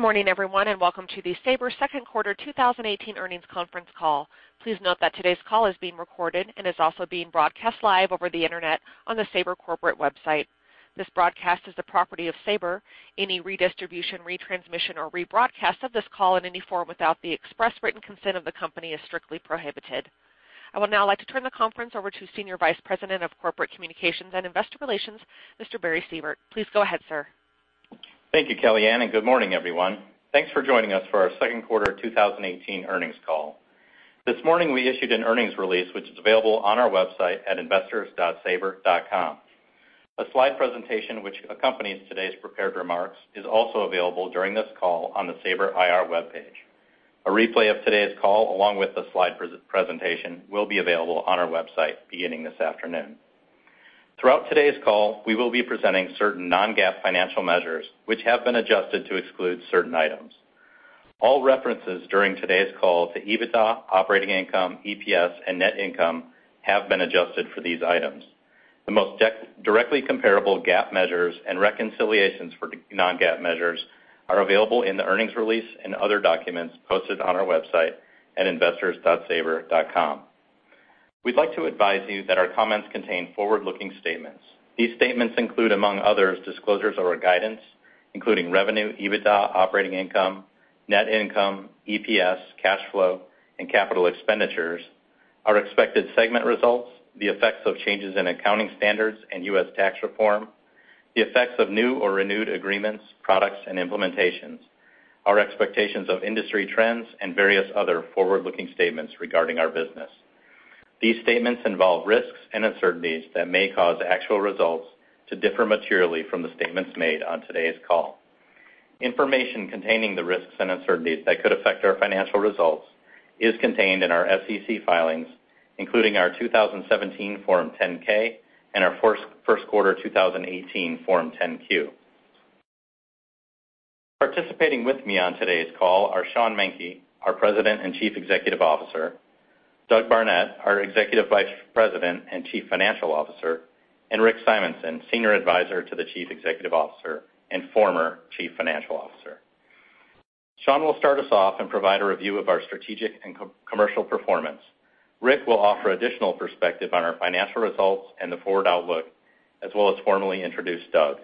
Good morning, everyone, and welcome to the Sabre second quarter 2018 earnings conference call. Please note that today's call is being recorded and is also being broadcast live over the internet on the Sabre corporate website. This broadcast is the property of Sabre. Any redistribution, retransmission, or rebroadcast of this call in any form without the express written consent of the company is strictly prohibited. I would now like to turn the conference over to Senior Vice President of Corporate Communications and Investor Relations, Mr. Barry Zeitz. Please go ahead, sir. Thank you, Kellyanne. Good morning, everyone. Thanks for joining us for our second quarter 2018 earnings call. This morning, we issued an earnings release, which is available on our website at investors.sabre.com. A slide presentation, which accompanies today's prepared remarks, is also available during this call on the Sabre IR webpage. A replay of today's call, along with the slide presentation, will be available on our website beginning this afternoon. Throughout today's call, we will be presenting certain non-GAAP financial measures which have been adjusted to exclude certain items. All references during today's call to EBITDA, operating income, EPS, and net income have been adjusted for these items. The most directly comparable GAAP measures and reconciliations for non-GAAP measures are available in the earnings release and other documents posted on our website at investors.sabre.com. We'd like to advise you that our comments contain forward-looking statements. These statements include, among others, disclosures of our guidance, including revenue, EBITDA, operating income, net income, EPS, cash flow, and capital expenditures, our expected segment results, the effects of changes in accounting standards and U.S. tax reform, the effects of new or renewed agreements, products, and implementations, our expectations of industry trends, and various other forward-looking statements regarding our business. These statements involve risks and uncertainties that may cause actual results to differ materially from the statements made on today's call. Information containing the risks and uncertainties that could affect our financial results is contained in our SEC filings, including our 2017 Form 10-K and our first quarter 2018 Form 10-Q. Participating with me on today's call are Sean Menke, our President and Chief Executive Officer, Doug Barnett, our Executive Vice President and Chief Financial Officer, and Rick Simonson, Senior Advisor to the Chief Executive Officer and former Chief Financial Officer. Sean will start us off and provide a review of our strategic and commercial performance. Rick will offer additional perspective on our financial results and the forward outlook, as well as formally introduce Doug.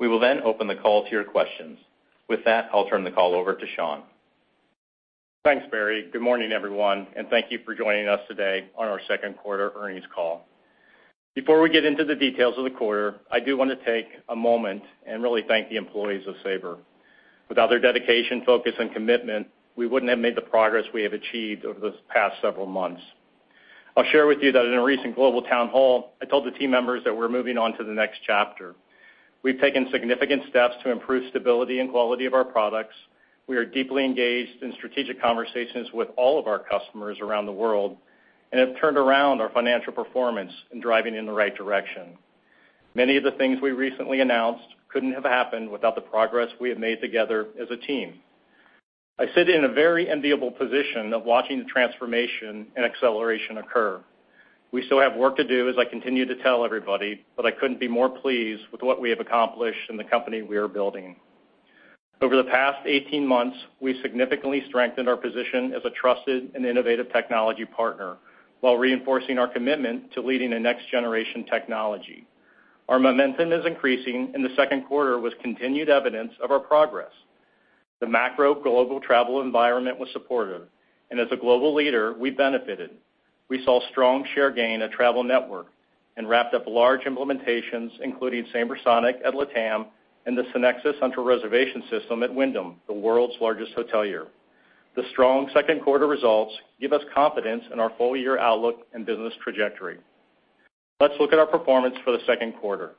We will open the call to your questions. With that, I'll turn the call over to Sean. Thanks, Barry. Good morning, everyone, and thank you for joining us today on our second quarter earnings call. Before we get into the details of the quarter, I do want to take a moment and really thank the employees of Sabre. Without their dedication, focus, and commitment, we wouldn't have made the progress we have achieved over the past several months. I'll share with you that in a recent global town hall, I told the team members that we're moving on to the next chapter. We've taken significant steps to improve stability and quality of our products. We are deeply engaged in strategic conversations with all of our customers around the world and have turned around our financial performance and driving in the right direction. Many of the things we recently announced couldn't have happened without the progress we have made together as a team. I sit in a very enviable position of watching the transformation and acceleration occur. We still have work to do, as I continue to tell everybody, but I couldn't be more pleased with what we have accomplished and the company we are building. Over the past 18 months, we significantly strengthened our position as a trusted and innovative technology partner while reinforcing our commitment to leading in next-generation technology. Our momentum is increasing, and the second quarter was continued evidence of our progress. The macro global travel environment was supportive, and as a global leader, we benefited. We saw strong share gain at Travel Network and wrapped up large implementations, including SabreSonic at LATAM and the SynXis central reservation system at Wyndham, the world's largest hotelier. The strong second quarter results give us confidence in our full-year outlook and business trajectory. Let's look at our performance for the second quarter.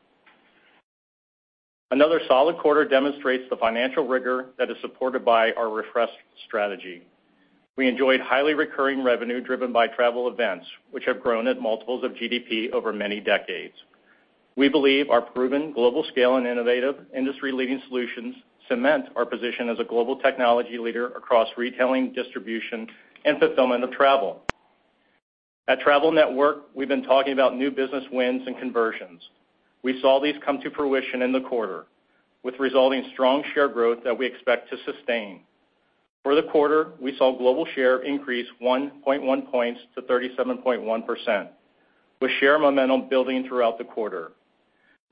Another solid quarter demonstrates the financial rigor that is supported by our refreshed strategy. We enjoyed highly recurring revenue driven by travel events, which have grown at multiples of GDP over many decades. We believe our proven global scale and innovative industry-leading solutions cement our position as a global technology leader across retailing, distribution, and fulfillment of travel. At Travel Network, we've been talking about new business wins and conversions. We saw these come to fruition in the quarter, with resulting strong share growth that we expect to sustain. For the quarter, we saw global share increase 1.1 points to 37.1%, with share momentum building throughout the quarter.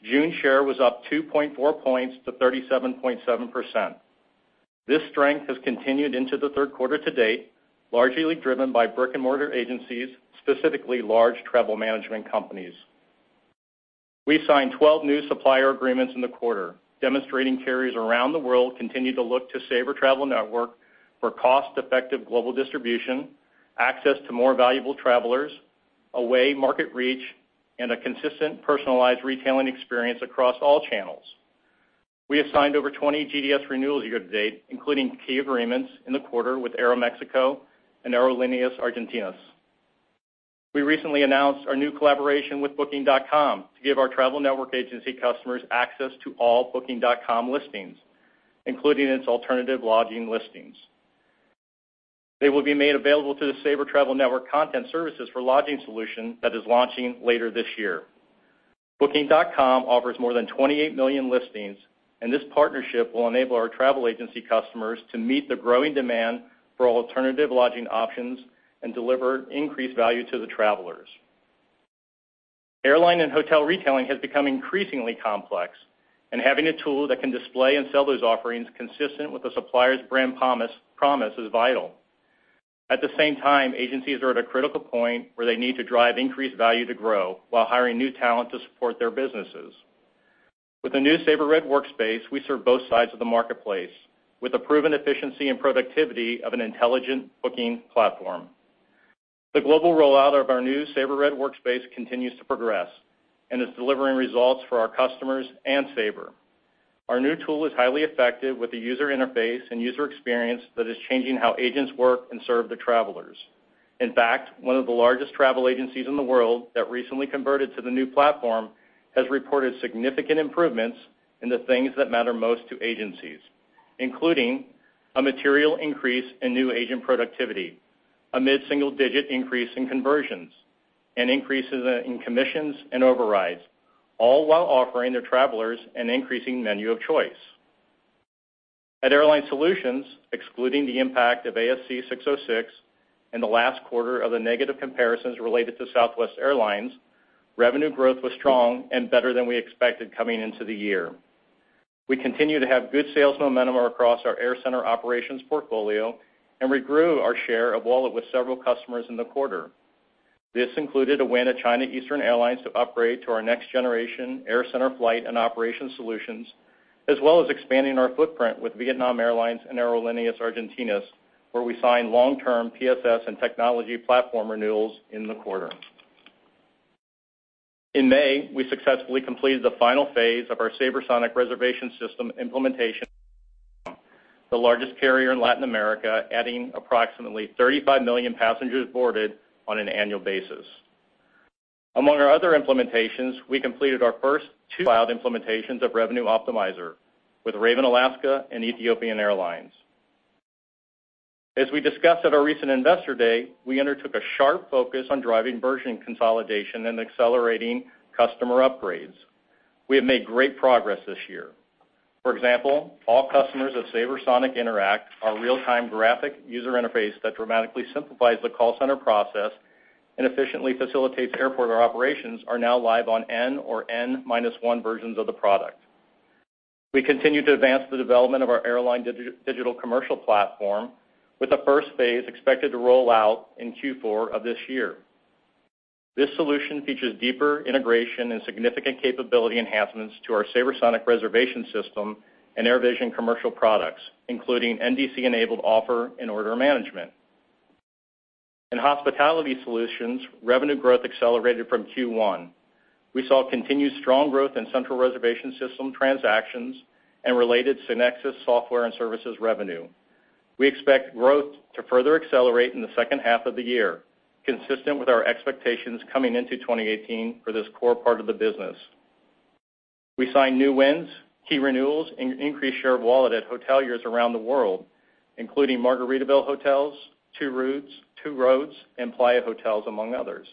June share was up 2.4 points to 37.7%. This strength has continued into the third quarter to date, largely driven by brick-and-mortar agencies, specifically large travel management companies. We signed 12 new supplier agreements in the quarter, demonstrating carriers around the world continue to look to Sabre Travel Network for cost-effective global distribution, access to more valuable travelers, away market reach, and a consistent personalized retailing experience across all channels. We have signed over 20 GDS renewals year to date, including key agreements in the quarter with Aeroméxico and Aerolíneas Argentinas. We recently announced our new collaboration with Booking.com to give our Travel Network agency customers access to all Booking.com listings, including its alternative lodging listings. They will be made available to the Sabre Travel Network Content Services for Lodging solution that is launching later this year. This partnership will enable our travel agency customers to meet the growing demand for alternative lodging options and deliver increased value to the travelers. Airline and hotel retailing has become increasingly complex, having a tool that can display and sell those offerings consistent with the supplier's brand promise is vital. At the same time, agencies are at a critical point where they need to drive increased value to grow while hiring new talent to support their businesses. With the new Sabre Red Workspace, we serve both sides of the marketplace with the proven efficiency and productivity of an intelligent booking platform. The global rollout of our new Sabre Red Workspace continues to progress and is delivering results for our customers and Sabre. Our new tool is highly effective with the user interface and user experience that is changing how agents work and serve the travelers. In fact, one of the largest travel agencies in the world that recently converted to the new platform has reported significant improvements in the things that matter most to agencies, including a material increase in new agent productivity, a mid-single-digit increase in conversions, and increases in commissions and overrides, all while offering their travelers an increasing menu of choice. At Airline Solutions, excluding the impact of ASC 606 in the last quarter of the negative comparisons related to Southwest Airlines, revenue growth was strong and better than we expected coming into the year. We continue to have good sales momentum across our AirCentre operations portfolio and regrew our share of wallet with several customers in the quarter. This included a win at China Eastern Airlines to upgrade to our next-generation AirCentre flight and operation solutions, as well as expanding our footprint with Vietnam Airlines and Aerolíneas Argentinas, where we signed long-term PSS and technology platform renewals in the quarter. In May, we successfully completed the final phase of our SabreSonic reservation system implementation, the largest carrier in Latin America, adding approximately 35 million passengers boarded on an annual basis. Among our other implementations, we completed our first two cloud implementations of Revenue Optimizer with Ravn Alaska and Ethiopian Airlines. As we discussed at our recent Investor Day, we undertook a sharp focus on driving version consolidation and accelerating customer upgrades. We have made great progress this year. Example, all customers of SabreSonic Interact, our real-time graphic user interface that dramatically simplifies the call center process and efficiently facilitates airport operations, are now live on N or N-minus-one versions of the product. We continue to advance the development of our airline digital commercial platform with the first phase expected to roll out in Q4 of this year. This solution features deeper integration and significant capability enhancements to our SabreSonic reservation system and AirVision commercial products, including NDC-enabled offer and order management. In Hospitality Solutions, revenue growth accelerated from Q1. We saw continued strong growth in central reservation system transactions and related SynXis software and services revenue. We expect growth to further accelerate in the second half of the year, consistent with our expectations coming into 2018 for this core part of the business. We signed new wins, key renewals, and increased share of wallet at hoteliers around the world, including Margaritaville Hotels, Two Roads, and Playa Hotels, among others.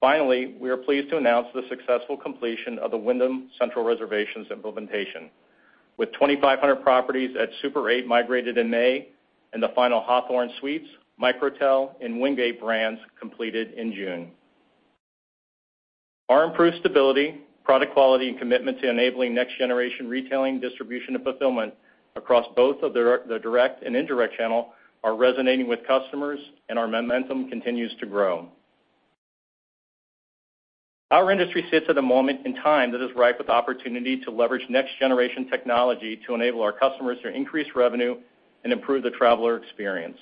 Finally, we are pleased to announce the successful completion of the Wyndham Central Reservations implementation, with 2,500 properties at Super 8 migrated in May and the final Hawthorn Suites, Microtel, and Wingate brands completed in June. Our improved stability, product quality, and commitment to enabling next-generation retailing, distribution, and fulfillment across both of the direct and indirect channel are resonating with customers, and our momentum continues to grow. Our industry sits at a moment in time that is ripe with opportunity to leverage next-generation technology to enable our customers to increase revenue and improve the traveler experience.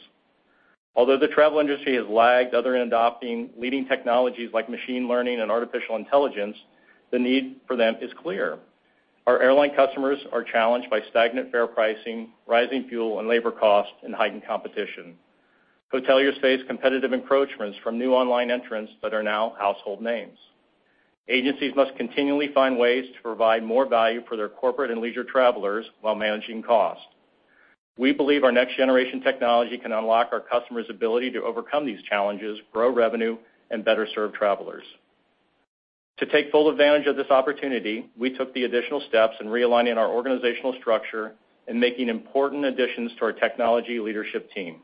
Although the travel industry has lagged others in adopting leading technologies like machine learning and artificial intelligence, the need for them is clear. Our airline customers are challenged by stagnant fare pricing, rising fuel and labor costs, and heightened competition. Hoteliers face competitive encroachments from new online entrants that are now household names. Agencies must continually find ways to provide more value for their corporate and leisure travelers while managing costs. We believe our next-generation technology can unlock our customers' ability to overcome these challenges, grow revenue, and better serve travelers. To take full advantage of this opportunity, we took the additional steps in realigning our organizational structure and making important additions to our technology leadership team.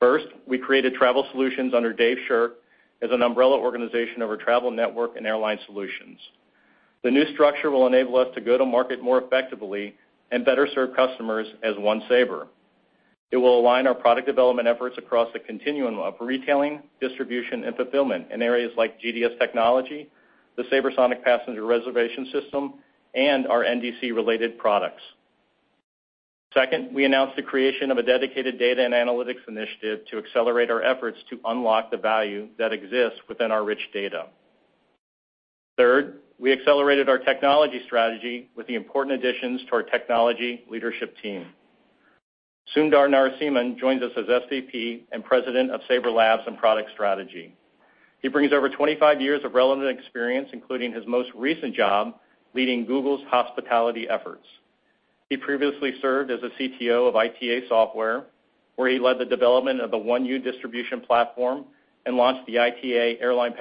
First, we created Travel Solutions under Dave Shirk as an umbrella organization of our Travel Network and Airline Solutions. The new structure will enable us to go to market more effectively and better serve customers as one Sabre. It will align our product development efforts across the continuum of retailing, distribution, and fulfillment in areas like GDS technology, the SabreSonic passenger reservation system, and our NDC-related products. Second, we announced the creation of a dedicated data and analytics initiative to accelerate our efforts to unlock the value that exists within our rich data. Third, we accelerated our technology strategy with the important additions to our technology leadership team. Sundar Narasimhan joins us as SVP and President of Sabre Labs and Product Strategy. He brings over 25 years of relevant experience, including his most recent job leading Google's hospitality efforts. He previously served as a CTO of ITA Software, where he led the development of the 1U distribution platform and launched the ITA airline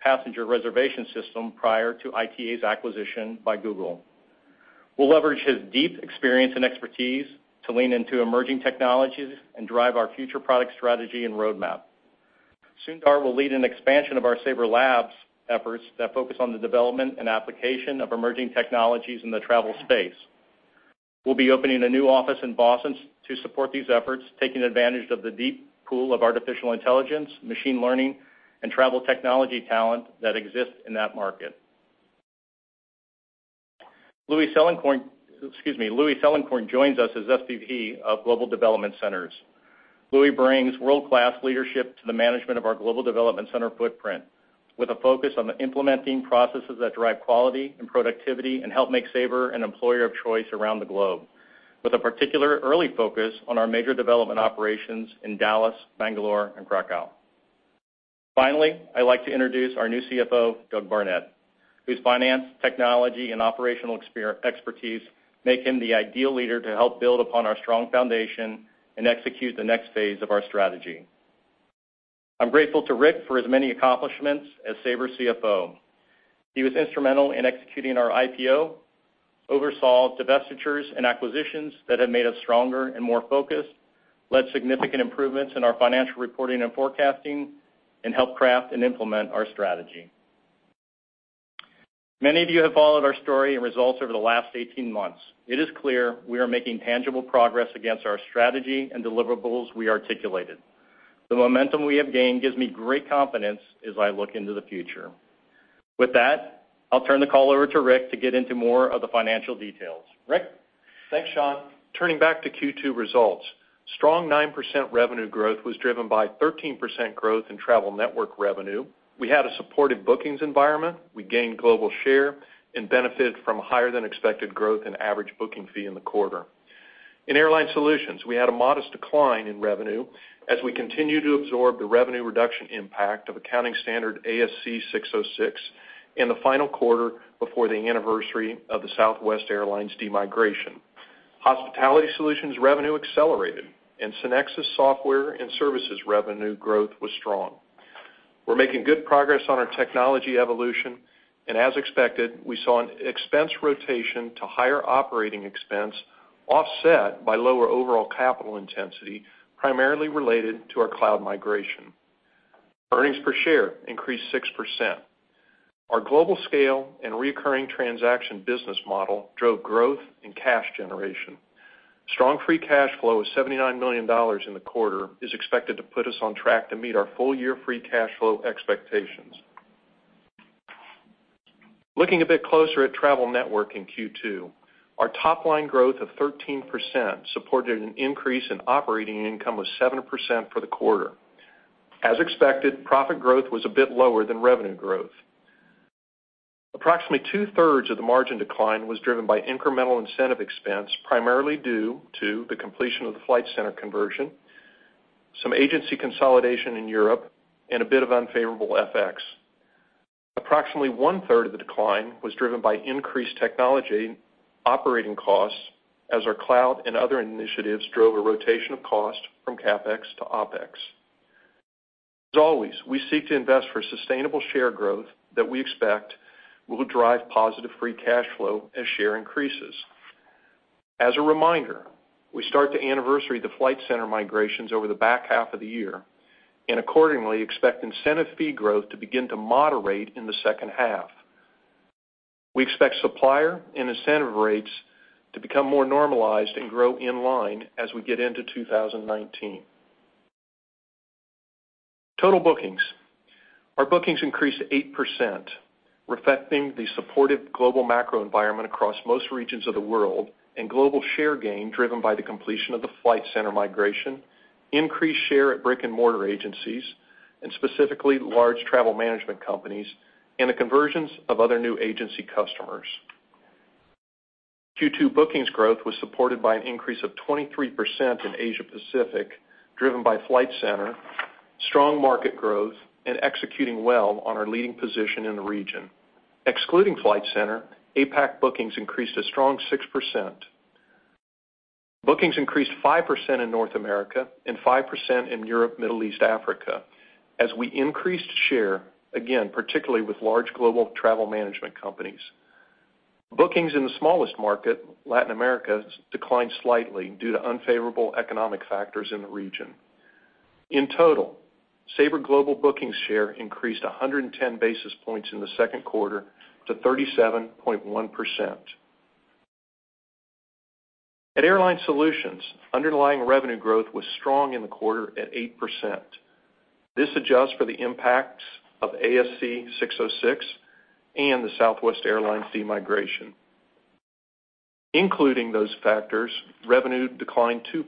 passenger reservation system prior to ITA's acquisition by Google. We'll leverage his deep experience and expertise to lean into emerging technologies and drive our future product strategy and roadmap. Sundar will lead an expansion of our Sabre Labs efforts that focus on the development and application of emerging technologies in the travel space. We'll be opening a new office in Boston to support these efforts, taking advantage of the deep pool of artificial intelligence, machine learning, and travel technology talent that exists in that market. Louis Selincourt joins us as SVP of Global Development Centers. Louis brings world-class leadership to the management of our global development center footprint, with a focus on the implementing processes that drive quality and productivity and help make Sabre an employer of choice around the globe, with a particular early focus on our major development operations in Dallas, Bangalore, and Krakow. Finally, I'd like to introduce our new CFO, Doug Barnett, whose finance, technology, and operational expertise make him the ideal leader to help build upon our strong foundation and execute the next phase of our strategy. I'm grateful to Rick for his many accomplishments as Sabre's CFO. He was instrumental in executing our IPO, oversaw divestitures and acquisitions that have made us stronger and more focused, led significant improvements in our financial reporting and forecasting, and helped craft and implement our strategy. Many of you have followed our story and results over the last 18 months. It is clear we are making tangible progress against our strategy and deliverables we articulated. The momentum we have gained gives me great confidence as I look into the future. With that, I'll turn the call over to Rick to get into more of the financial details. Rick? Thanks, Sean. Turning back to Q2 results, strong 9% revenue growth was driven by 13% growth in Travel Network revenue. We had a supportive bookings environment. We gained global share and benefited from higher than expected growth and average booking fee in the quarter. In Airline Solutions, we had a modest decline in revenue as we continue to absorb the revenue reduction impact of accounting standard ASC 606 in the final quarter before the anniversary of the Southwest Airlines demigration. Hospitality Solutions revenue accelerated and SynXis software and services revenue growth was strong. We're making good progress on our technology evolution and as expected, we saw an expense rotation to higher OpEx offset by lower overall capital intensity, primarily related to our cloud migration. Earnings per share increased 6%. Our global scale and recurring transaction business model drove growth and cash generation. Strong free cash flow of $79 million in the quarter is expected to put us on track to meet our full year free cash flow expectations. Looking a bit closer at Travel Network in Q2, our top line growth of 13% supported an increase in operating income of 7% for the quarter. As expected, profit growth was a bit lower than revenue growth. Approximately two-thirds of the margin decline was driven by incremental incentive expense, primarily due to the completion of the Flight Centre conversion, some agency consolidation in Europe, and a bit of unfavorable FX. Approximately one-third of the decline was driven by increased technology operating costs as our cloud and other initiatives drove a rotation of cost from CapEx to OpEx. As always, we seek to invest for sustainable share growth that we expect will drive positive free cash flow as share increases. As a reminder, we start to anniversary the Flight Centre migrations over the back half of the year and accordingly expect incentive fee growth to begin to moderate in the second half. We expect supplier and incentive rates to become more normalized and grow in line as we get into 2019. Total bookings. Our bookings increased 8%, reflecting the supportive global macro environment across most regions of the world and global share gain driven by the completion of the Flight Centre migration, increased share at brick and mortar agencies, and specifically large travel management companies, and the conversions of other new agency customers. Q2 bookings growth was supported by an increase of 23% in Asia Pacific, driven by Flight Centre, strong market growth, and executing well on our leading position in the region. Excluding Flight Centre, APAC bookings increased a strong 6%. Bookings increased 5% in North America and 5% in Europe, Middle East, Africa, as we increased share, again, particularly with large global travel management companies. Bookings in the smallest market, Latin America, declined slightly due to unfavorable economic factors in the region. In total, Sabre global booking share increased 110 basis points in the second quarter to 37.1%. At Airline Solutions, underlying revenue growth was strong in the quarter at 8%. This adjusts for the impacts of ASC 606 and the Southwest Airlines demigration. Including those factors, revenue declined 2%.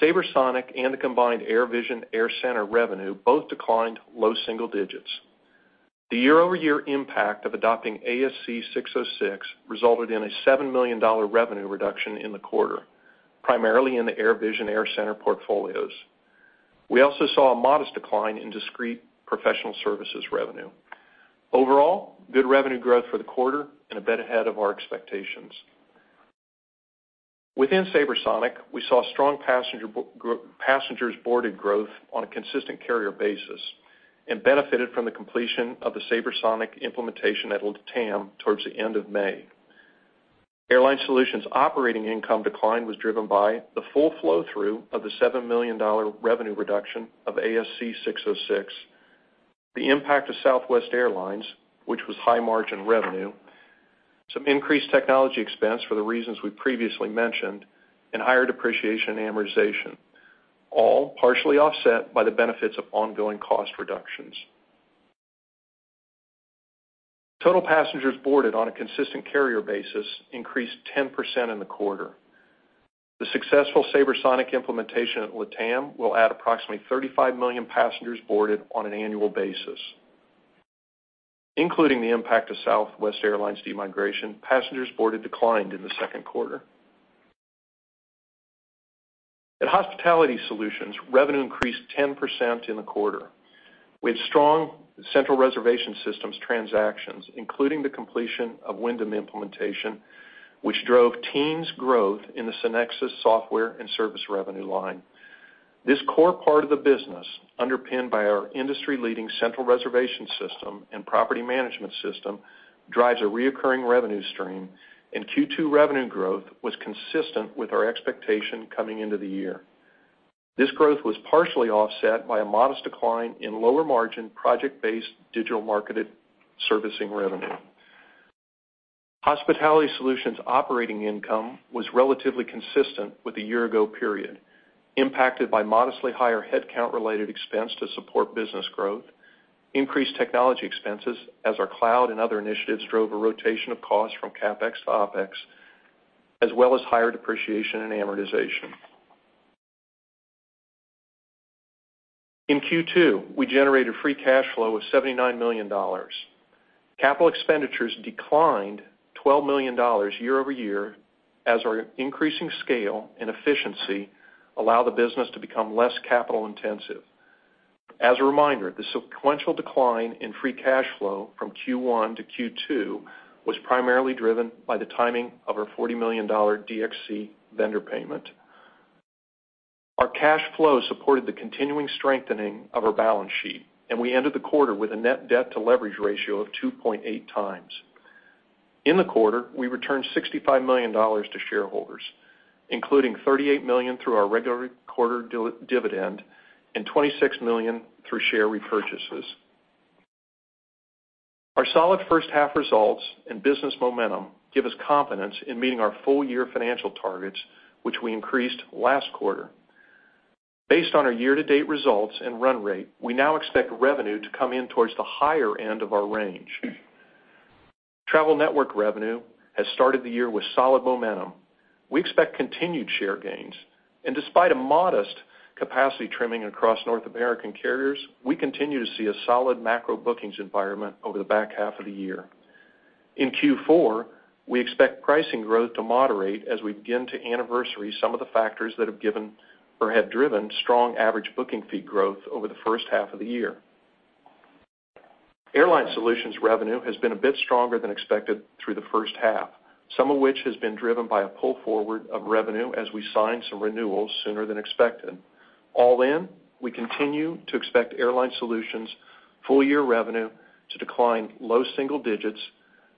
SabreSonic and the combined AirVision AirCentre revenue both declined low single digits. The year-over-year impact of adopting ASC 606 resulted in a $7 million revenue reduction in the quarter, primarily in the AirVision, AirCentre portfolios. We also saw a modest decline in discrete professional services revenue. Overall, good revenue growth for the quarter, and a bit ahead of our expectations. Within SabreSonic, we saw strong passengers boarded growth on a consistent carrier basis and benefited from the completion of the SabreSonic implementation at LATAM towards the end of May. Airline Solutions operating income decline was driven by the full flow-through of the $7 million revenue reduction of ASC 606, the impact of Southwest Airlines, which was high margin revenue, some increased technology expense for the reasons we previously mentioned, and higher depreciation amortization, all partially offset by the benefits of ongoing cost reductions. Total passengers boarded on a consistent carrier basis increased 10% in the quarter. The successful SabreSonic implementation at LATAM will add approximately 35 million passengers boarded on an annual basis. Including the impact of Southwest Airlines demigration, passengers boarded declined in the second quarter. At Hospitality Solutions, revenue increased 10% in the quarter. We had strong central reservation systems transactions, including the completion of Wyndham implementation, which drove teams growth in the SynXis software and service revenue line. This core part of the business, underpinned by our industry-leading central reservation system and property management system, drives a recurring revenue stream, and Q2 revenue growth was consistent with our expectation coming into the year. This growth was partially offset by a modest decline in lower margin project-based digital marketed servicing revenue. Hospitality Solutions operating income was relatively consistent with the year-ago period, impacted by modestly higher headcount-related expense to support business growth, increased technology expenses as our cloud and other initiatives drove a rotation of costs from CapEx to OpEx, as well as higher depreciation and amortization. In Q2, we generated free cash flow of $79 million. Capital expenditures declined $12 million year-over-year as our increasing scale and efficiency allow the business to become less capital intensive. As a reminder, the sequential decline in free cash flow from Q1 to Q2 was primarily driven by the timing of our $40 million DXC vendor payment. Our cash flow supported the continuing strengthening of our balance sheet, and we ended the quarter with a net debt to leverage ratio of 2.8 times. In the quarter, we returned $65 million to shareholders, including $38 million through our regular quarter dividend and $26 million through share repurchases. Our solid first half results and business momentum give us confidence in meeting our full year financial targets, which we increased last quarter. Based on our year-to-date results and run rate, we now expect revenue to come in towards the higher end of our range. Travel network revenue has started the year with solid momentum. We expect continued share gains. Despite a modest capacity trimming across North American carriers, we continue to see a solid macro bookings environment over the back half of the year. In Q4, we expect pricing growth to moderate as we begin to anniversary some of the factors that have given or have driven strong average booking fee growth over the first half of the year. Airline Solutions revenue has been a bit stronger than expected through the first half, some of which has been driven by a pull forward of revenue as we sign some renewals sooner than expected. All in, we continue to expect Airline Solutions' full year revenue to decline low single digits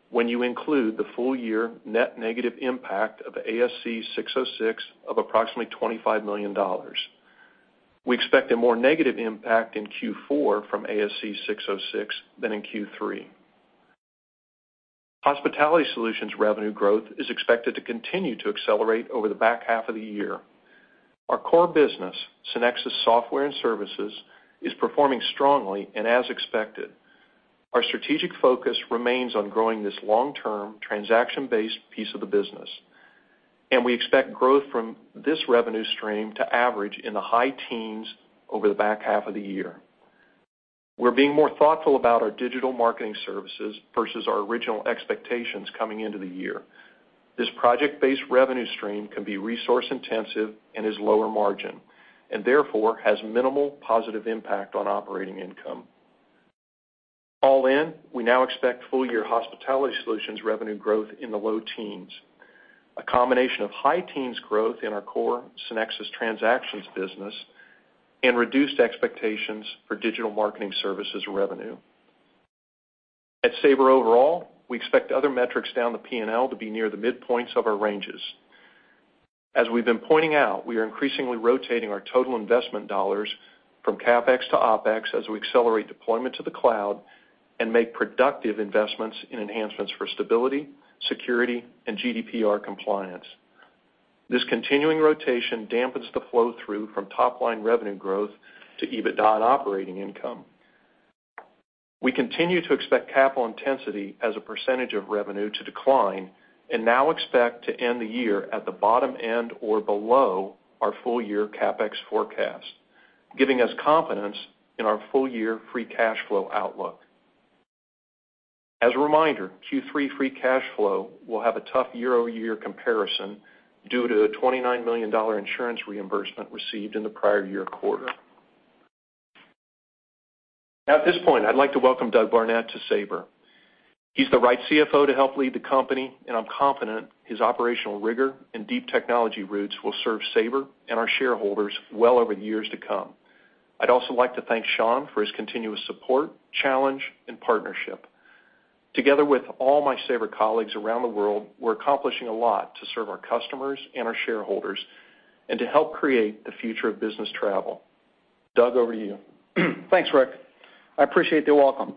when you include the full year net negative impact of ASC 606 of approximately $25 million. We expect a more negative impact in Q4 from ASC 606 than in Q3. Hospitality Solutions revenue growth is expected to continue to accelerate over the back half of the year. Our core business, SynXis Software and Services, is performing strongly and as expected. Our strategic focus remains on growing this long-term, transaction-based piece of the business, and we expect growth from this revenue stream to average in the high teens over the back half of the year. We're being more thoughtful about our digital marketing services versus our original expectations coming into the year. This project-based revenue stream can be resource intensive and is lower margin, and therefore, has minimal positive impact on operating income. All in, we now expect full year Hospitality Solutions revenue growth in the low teens, a combination of high teens growth in our core SynXis transactions business and reduced expectations for digital marketing services revenue. At Sabre overall, we expect other metrics down the P&L to be near the midpoints of our ranges. As we've been pointing out, we are increasingly rotating our total investment dollars from CapEx to OpEx as we accelerate deployment to the cloud and make productive investments in enhancements for stability, security, and GDPR compliance. This continuing rotation dampens the flow-through from top-line revenue growth to EBITDA and operating income. We continue to expect capital intensity as a percentage of revenue to decline and now expect to end the year at the bottom end or below our full year CapEx forecast, giving us confidence in our full year free cash flow outlook. As a reminder, Q3 free cash flow will have a tough year-over-year comparison due to a $29 million insurance reimbursement received in the prior year quarter. Now, at this point, I'd like to welcome Doug Barnett to Sabre. He's the right CFO to help lead the company, and I'm confident his operational rigor and deep technology roots will serve Sabre and our shareholders well over the years to come. I'd also like to thank Sean for his continuous support, challenge, and partnership. Together with all my Sabre colleagues around the world, we're accomplishing a lot to serve our customers and our shareholders and to help create the future of business travel. Doug, over to you. Thanks, Rick. I appreciate the welcome.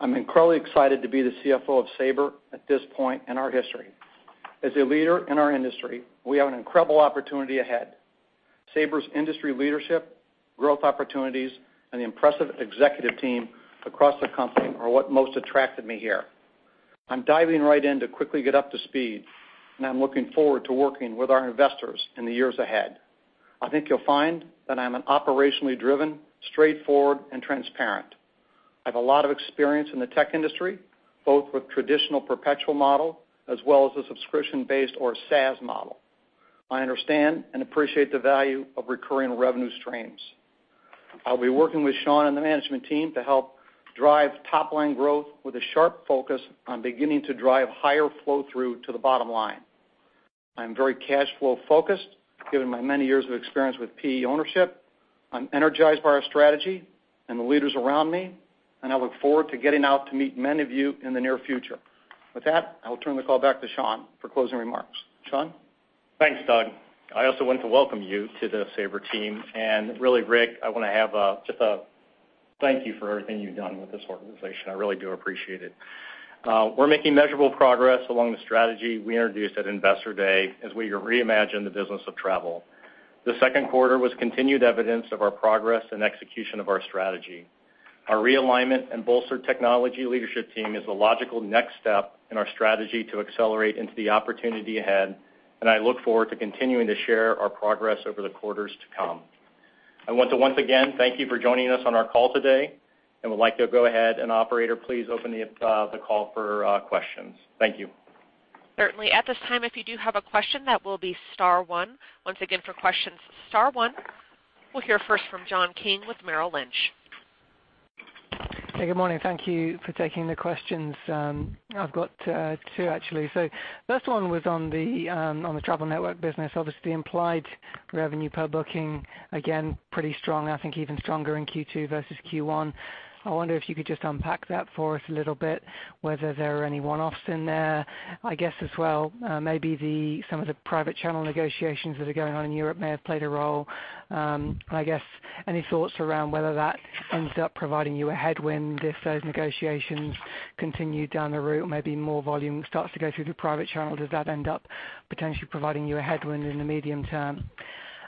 I'm incredibly excited to be the CFO of Sabre at this point in our history. As a leader in our industry, we have an incredible opportunity ahead. Sabre's industry leadership, growth opportunities, and the impressive executive team across the company are what most attracted me here. I'm diving right in to quickly get up to speed, and I'm looking forward to working with our investors in the years ahead. I think you'll find that I'm operationally driven, straightforward, and transparent. I have a lot of experience in the tech industry, both with traditional perpetual model as well as the subscription-based or SaaS model. I understand and appreciate the value of recurring revenue streams. I'll be working with Sean and the management team to help drive top-line growth with a sharp focus on beginning to drive higher flow-through to the bottom line. I'm very cash flow focused, given my many years of experience with PE ownership. I'm energized by our strategy and the leaders around me. I look forward to getting out to meet many of you in the near future. With that, I will turn the call back to Sean for closing remarks. Sean? Thanks, Doug. I also want to welcome you to the Sabre team. Really, Rick, I want to have just a thank you for everything you've done with this organization. I really do appreciate it. We're making measurable progress along the strategy we introduced at Investor Day as we reimagine the business of travel. The second quarter was continued evidence of our progress and execution of our strategy. Our realignment and bolstered technology leadership team is the logical next step in our strategy to accelerate into the opportunity ahead. I look forward to continuing to share our progress over the quarters to come. I want to once again thank you for joining us on our call today. I would like to go ahead, operator, please open the call for questions. Thank you. Certainly. At this time, if you do have a question, that will be star one. Once again, for questions, star one. We'll hear first from John King with Merrill Lynch. Good morning. Thank you for taking the questions. I have two, actually. The first one was on the Travel Network business. Obviously, implied revenue per booking, again, pretty strong. I think even stronger in Q2 versus Q1. I wonder if you could just unpack that for us a little bit, whether there are any one-offs in there. I guess as well, maybe some of the private channel negotiations that are going on in Europe may have played a role. I guess any thoughts around whether that ends up providing you a headwind if those negotiations continue down the route, maybe more volume starts to go through the private channel. Does that end up potentially providing you a headwind in the medium term?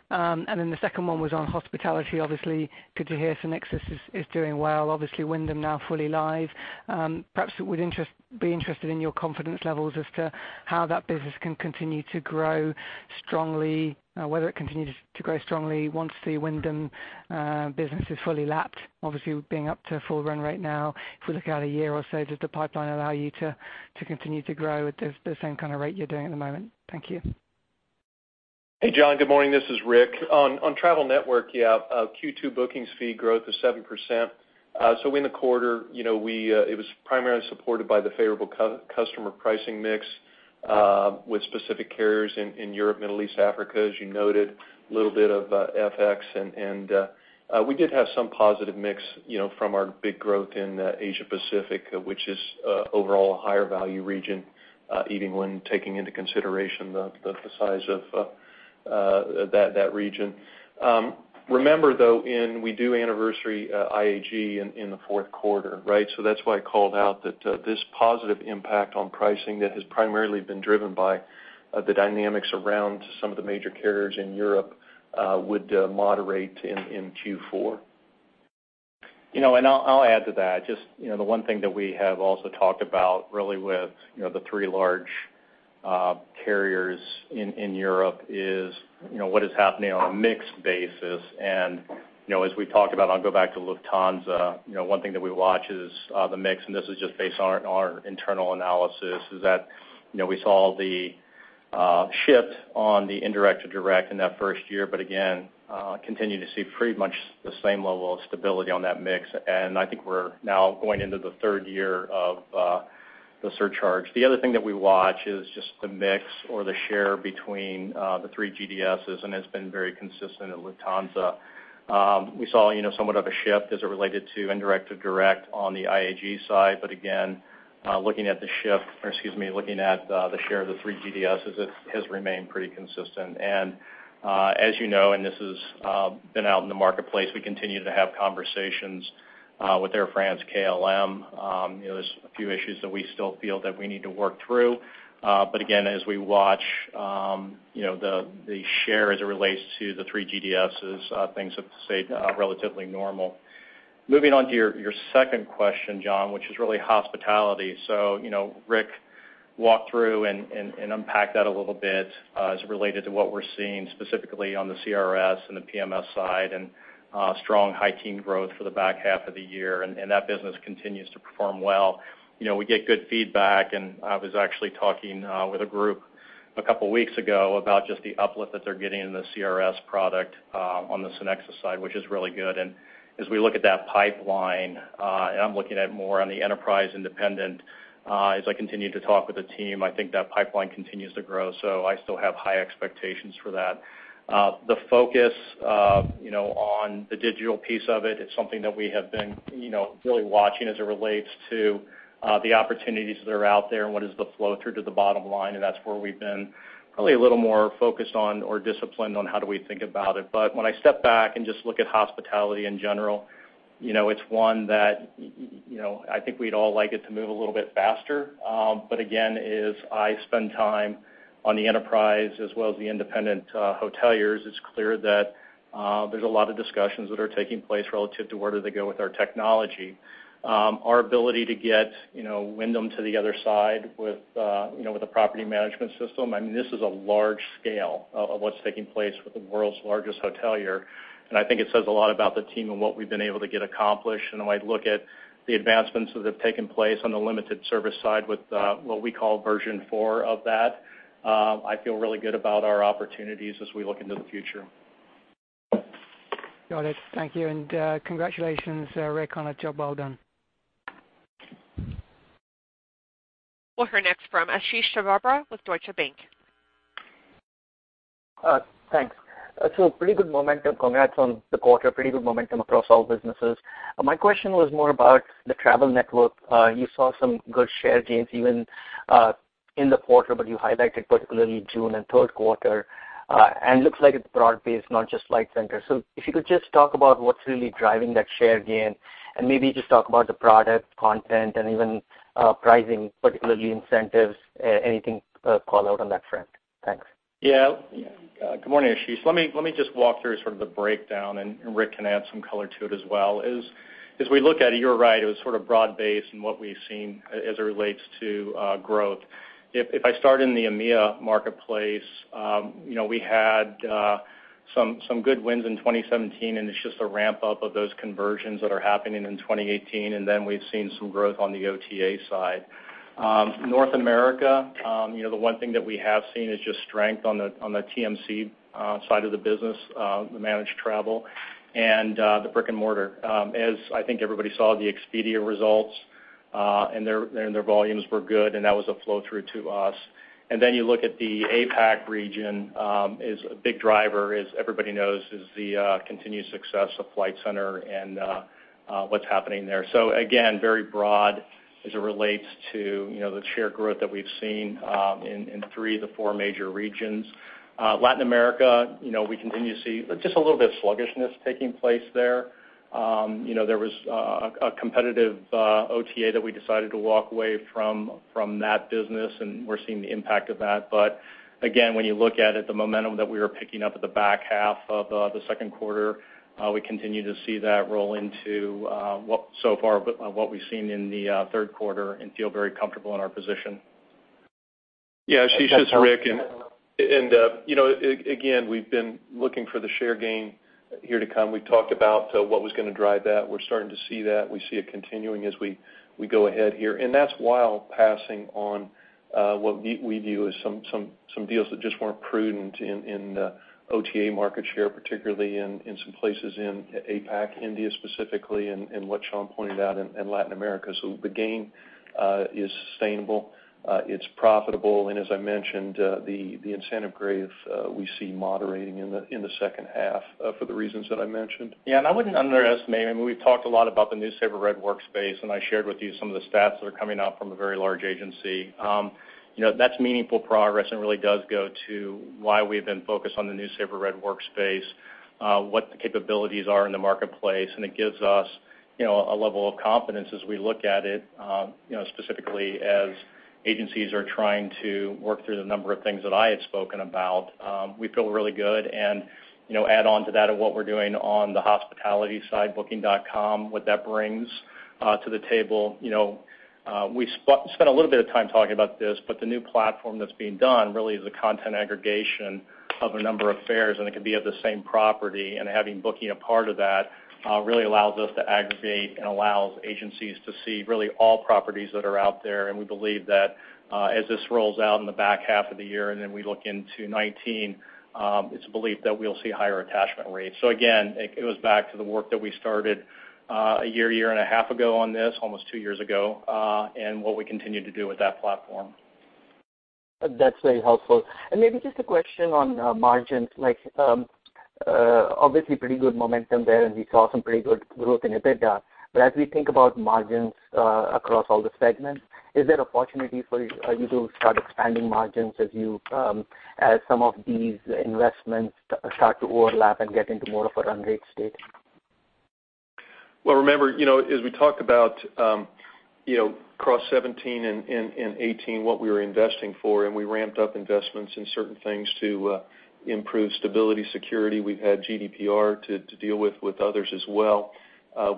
The second one was on hospitality, obviously, good to hear SynXis is doing well. Obviously, Wyndham now fully live. Perhaps it would be interesting in your confidence levels as to how that business can continue to grow strongly, whether it continues to grow strongly once the Wyndham business is fully lapped. Obviously, being up to full run rate now, if we look out a year or so, does the pipeline allow you to continue to grow at the same kind of rate you are doing at the moment? Thank you. John. Good morning. This is Rick. On Travel Network, yeah, Q2 bookings fee growth is 7%. So in the quarter, it was primarily supported by the favorable customer pricing mix with specific carriers in Europe, Middle East, Africa, as you noted, little bit of FX, and we did have some positive mix from our big growth in Asia Pacific, which is overall a higher value region, even when taking into consideration the size of that region. Remember, though, we do anniversary IAG in the fourth quarter, right? So that is why I called out that this positive impact on pricing that has primarily been driven by the dynamics around some of the major carriers in Europe would moderate in Q4. I will add to that. Just the one thing that we have also talked about really with the three large carriers in Europe is what is happening on a mix basis. As we talked about, I will go back to Lufthansa. One thing that we watch is the mix, and this is just based on our internal analysis, is that we saw the shift on the indirect to direct in that 1st year, but again, continue to see pretty much the same level of stability on that mix, and I think we are now going into the 3rd year of the surcharge. The other thing that we watch is just the mix or the share between the three GDSs, and it has been very consistent at Lufthansa. We saw somewhat of a shift as it related to indirect to direct on the IAG side, looking at the share of the three GDSs, it has remained pretty consistent. As you know, and this has been out in the marketplace, we continue to have conversations with Air France-KLM. There's a few issues that we still feel that we need to work through. Again, as we watch the share as it relates to the three GDSs, things have stayed relatively normal. Moving on to your second question, John, which is really hospitality. Rick walked through and unpack that a little bit as it related to what we're seeing specifically on the CRS and the PMS side, and strong high-teen growth for the back half of the year, and that business continues to perform well. We get good feedback, I was actually talking with a group a couple of weeks ago about just the uplift that they're getting in the CRS product on the SynXis side, which is really good. As we look at that pipeline, I'm looking at more on the enterprise independent, as I continue to talk with the team, I think that pipeline continues to grow, so I still have high expectations for that. The focus on the digital piece of it's something that we have been really watching as it relates to the opportunities that are out there and what is the flow-through to the bottom line, and that's where we've been probably a little more focused on or disciplined on how do we think about it. When I step back and just look at hospitality in general, it's one that I think we'd all like it to move a little bit faster. Again, as I spend time on the enterprise as well as the independent hoteliers, it's clear that there's a lot of discussions that are taking place relative to where do they go with our technology. Our ability to get Wyndham to the other side with the property management system, this is a large scale of what's taking place with the world's largest hotelier, and I think it says a lot about the team and what we've been able to get accomplished. When I look at the advancements that have taken place on the limited service side with what we call version 4 of that, I feel really good about our opportunities as we look into the future. Got it. Thank you, and congratulations, Rick, on a job well done. We'll hear next from Ashish Chhabra with Deutsche Bank. Thanks. Pretty good momentum. Congrats on the quarter. Pretty good momentum across all businesses. My question was more about the Sabre Travel Network. You saw some good share gains even in the quarter, but you highlighted particularly June and third quarter. Looks like it's broad based, not just Flight Centre. If you could just talk about what's really driving that share gain, and maybe just talk about the product content and even pricing, particularly incentives, anything call out on that front. Thanks. Yeah. Good morning, Ashish. Let me just walk through sort of the breakdown, and Rick can add some color to it as well, is as we look at it, you're right. It was sort of broad based in what we've seen as it relates to growth. If I start in the EMEA marketplace, we had some good wins in 2017, and it's just a ramp up of those conversions that are happening in 2018, and then we've seen some growth on the OTA side. North America, the one thing that we have seen is just strength on the TMC side of the business, the managed travel, and the brick and mortar. As I think everybody saw the Expedia results, and their volumes were good, and that was a flow through to us. You look at the APAC region is a big driver, as everybody knows, is the continued success of Flight Centre and what's happening there. Again, very broad as it relates to the share growth that we've seen in three of the four major regions. Latin America, we continue to see just a little bit of sluggishness taking place there. There was a competitive OTA that we decided to walk away from that business, and we're seeing the impact of that. Again, when you look at it, the momentum that we were picking up at the back half of the second quarter, we continue to see that roll into so far what we've seen in the third quarter and feel very comfortable in our position. Ashish, this is Rick, again, we've been looking for the share gain here to come. We've talked about what was going to drive that. We're starting to see that. We see it continuing as we go ahead here, that's while passing on what we view as some deals that just weren't prudent in the OTA market share, particularly in some places in APAC, India specifically, and what Sean pointed out in Latin America. The gain is sustainable, it's profitable, and as I mentioned, the incentive grade we see moderating in the second half for the reasons that I mentioned. Yeah, I wouldn't underestimate, we've talked a lot about the new Sabre Red Workspace, and I shared with you some of the stats that are coming out from a very large agency. That's meaningful progress and really does go to why we've been focused on the new Sabre Red Workspace, what the capabilities are in the marketplace, and it gives us a level of confidence as we look at it specifically as agencies are trying to work through the number of things that I had spoken about. We feel really good and add on to that of what we're doing on the hospitality side, Booking.com, what that brings to the table. We spent a little bit of time talking about this, the new platform that's being done really is a content aggregation of a number of fares, and it could be at the same property, and having Booking a part of that really allows us to aggregate and allows agencies to see really all properties that are out there. We believe that as this rolls out in the back half of the year, we look into 2019, it's a belief that we'll see higher attachment rates. Again, it goes back to the work that we started a year and a half ago on this, almost two years ago, and what we continue to do with that platform. That's very helpful. Maybe just a question on margins. Obviously pretty good momentum there, and we saw some pretty good growth in EBITDA. As we think about margins across all the segments, is there opportunity for you to start expanding margins as some of these investments start to overlap and get into more of a run rate state? Well, remember, as we talked about across 2017 and 2018, what we were investing for, we ramped up investments in certain things to improve stability, security. We've had GDPR to deal with others as well.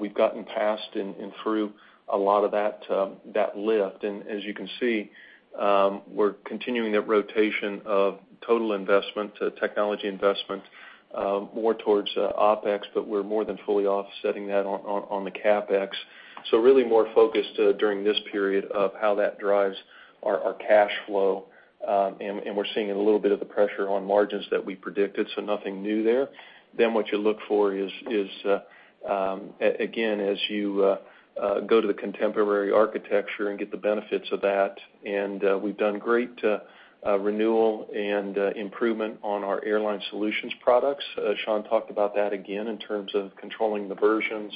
We've gotten past and through a lot of that lift. As you can see, we're continuing that rotation of total investment to technology investment, more towards OpEx, but we're more than fully offsetting that on the CapEx. Really more focused during this period of how that drives our cash flow, and we're seeing a little bit of the pressure on margins that we predicted, so nothing new there. What you look for is, again, as you go to the contemporary architecture and get the benefits of that, we've done great renewal and improvement on our Airline Solutions products. Sean talked about that again in terms of controlling the versions,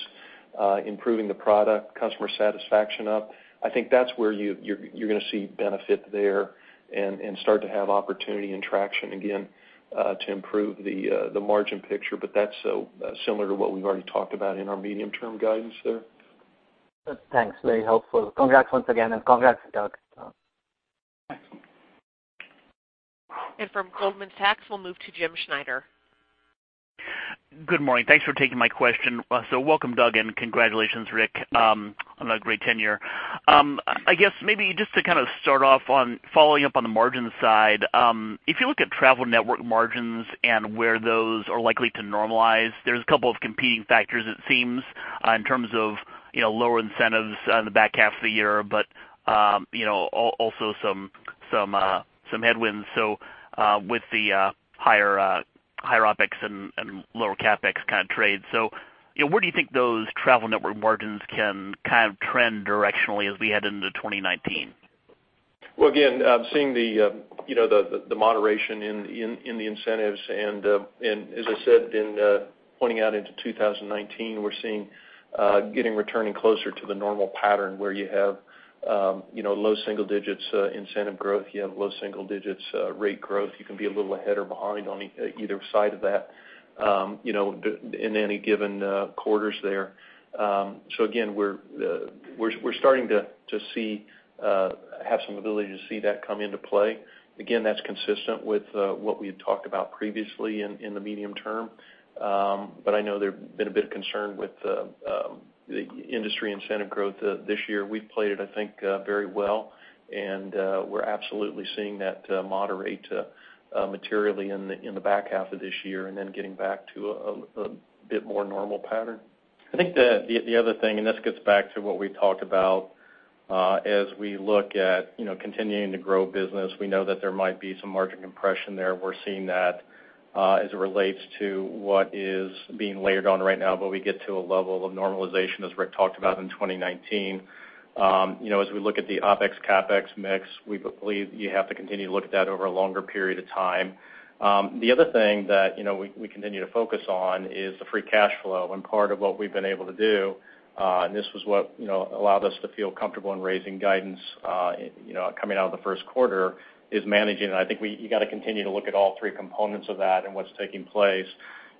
improving the product, customer satisfaction up. I think that's where you're going to see benefit there and start to have opportunity and traction again to improve the margin picture, but that's similar to what we've already talked about in our medium-term guidance there. Thanks. Very helpful. Congrats once again, and congrats, Doug. Thanks. From Goldman Sachs, we'll move to James Schneider. Good morning. Thanks for taking my question. Welcome, Doug, and congratulations, Rick, on a great tenure. I guess maybe just to start off on following up on the margin side, if you look at Travel Network margins and where those are likely to normalize, there's a couple of competing factors, it seems, in terms of lower incentives in the back half of the year, but also some headwinds, with the higher OpEx and lower CapEx kind of trade. Where do you think those Travel Network margins can trend directionally as we head into 2019? Well, again, seeing the moderation in the incentives and as I said, in pointing out into 2019, we're seeing getting returning closer to the normal pattern where you have low single digits incentive growth, you have low single digits rate growth. You can be a little ahead or behind on either side of that in any given quarters there. Again, we're starting to have some ability to see that come into play. Again, that's consistent with what we had talked about previously in the medium term. I know there's been a bit of concern with the industry incentive growth this year. We've played it, I think, very well, and we're absolutely seeing that moderate materially in the back half of this year, and then getting back to a bit more normal pattern. I think the other thing, and this gets back to what we talked about as we look at continuing to grow business, we know that there might be some margin compression there. We're seeing that as it relates to what is being layered on right now, but we get to a level of normalization, as Rick talked about in 2019. As we look at the OpEx, CapEx mix, we believe you have to continue to look at that over a longer period of time. The other thing that we continue to focus on is the free cash flow and part of what we've been able to do, and this was what allowed us to feel comfortable in raising guidance coming out of the first quarter, is managing. I think you got to continue to look at all three components of that and what's taking place.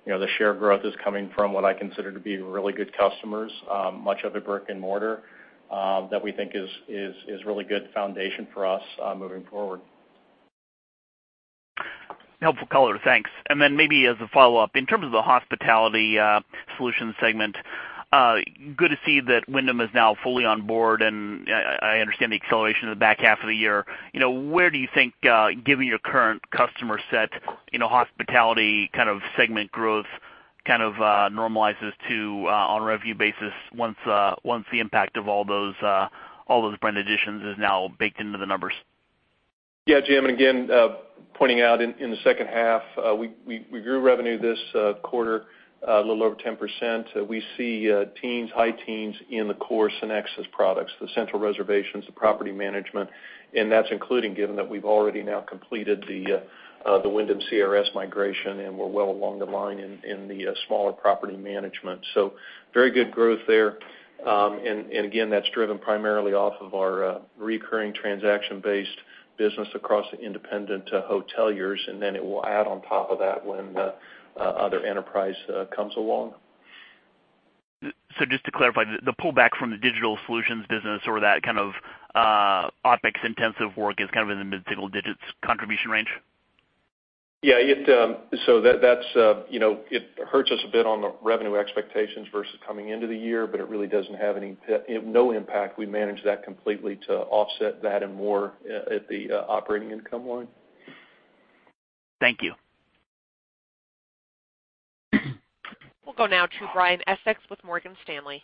The share growth is coming from what I consider to be really good customers, much of it brick and mortar, that we think is really good foundation for us moving forward. Helpful color. Thanks. Then maybe as a follow-up, in terms of the Hospitality Solutions segment, good to see that Wyndham is now fully on board, and I understand the acceleration in the back half of the year. Where do you think, given your current customer set, Hospitality Solutions segment growth normalizes to on a revenue basis once the impact of all those brand additions is now baked into the numbers? Yeah, Jim, again, pointing out in the second half, we grew revenue this quarter a little over 10%. We see teens, high teens in the core SynXis products, the central reservations, the property management, and that's including given that we've already now completed the Wyndham CRS migration, and we're well along the line in the smaller property management. Very good growth there. Again, that's driven primarily off of our recurring transaction-based business across the independent hoteliers, and then it will add on top of that when other enterprise comes along. Just to clarify, the pullback from the digital solutions business or that kind of OpEx-intensive work is in the mid-single digits contribution range? Yeah. It hurts us a bit on the revenue expectations versus coming into the year, but it really doesn't have no impact. We managed that completely to offset that and more at the operating income line. Thank you. We'll go now to Brian Essex with Morgan Stanley.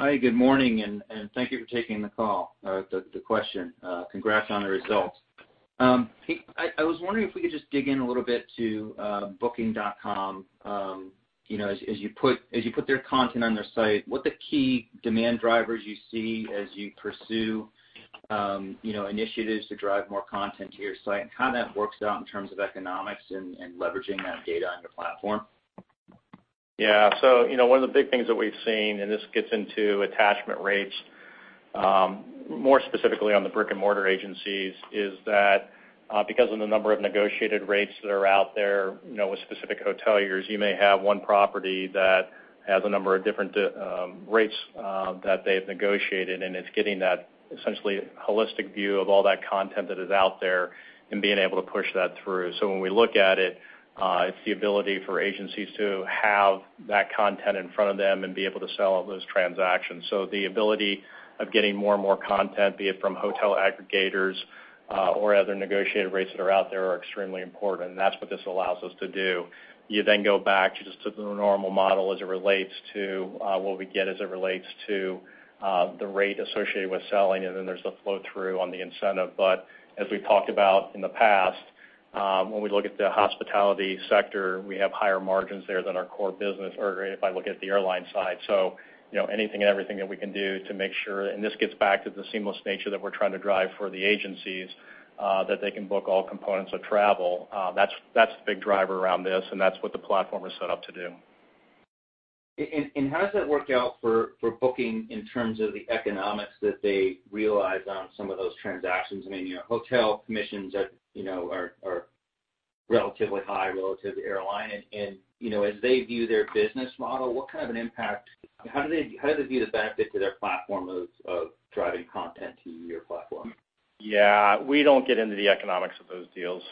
Hi, good morning. Thank you for taking the question. Congrats on the results. I was wondering if we could just dig in a little bit to Booking.com. As you put their content on their site, what the key demand drivers you see as you pursue initiatives to drive more content to your site, and how that works out in terms of economics and leveraging that data on your platform? One of the big things that we've seen, this gets into attachment rates more specifically on the brick-and-mortar agencies is that because of the number of negotiated rates that are out there with specific hoteliers, you may have one property that has a number of different rates that they've negotiated, it's getting that essentially holistic view of all that content that is out there and being able to push that through. When we look at it's the ability for agencies to have that content in front of them and be able to sell all those transactions. The ability of getting more and more content, be it from hotel aggregators or other negotiated rates that are out there, are extremely important, that's what this allows us to do. You go back to just the normal model as it relates to what we get, as it relates to the rate associated with selling, and then there's the flow-through on the incentive. As we've talked about in the past, when we look at the hospitality sector, we have higher margins there than our core business, or if I look at the airline side. Anything and everything that we can do to make sure, and this gets back to the seamless nature that we're trying to drive for the agencies, that they can book all components of travel. That's the big driver around this, and that's what the platform is set up to do. How does that work out for Booking in terms of the economics that they realize on some of those transactions? Hotel commissions are relatively high relative to airline. As they view their business model, how do they view the benefit to their platform of driving content to your platform? Yeah. We don't get into the economics of those deals.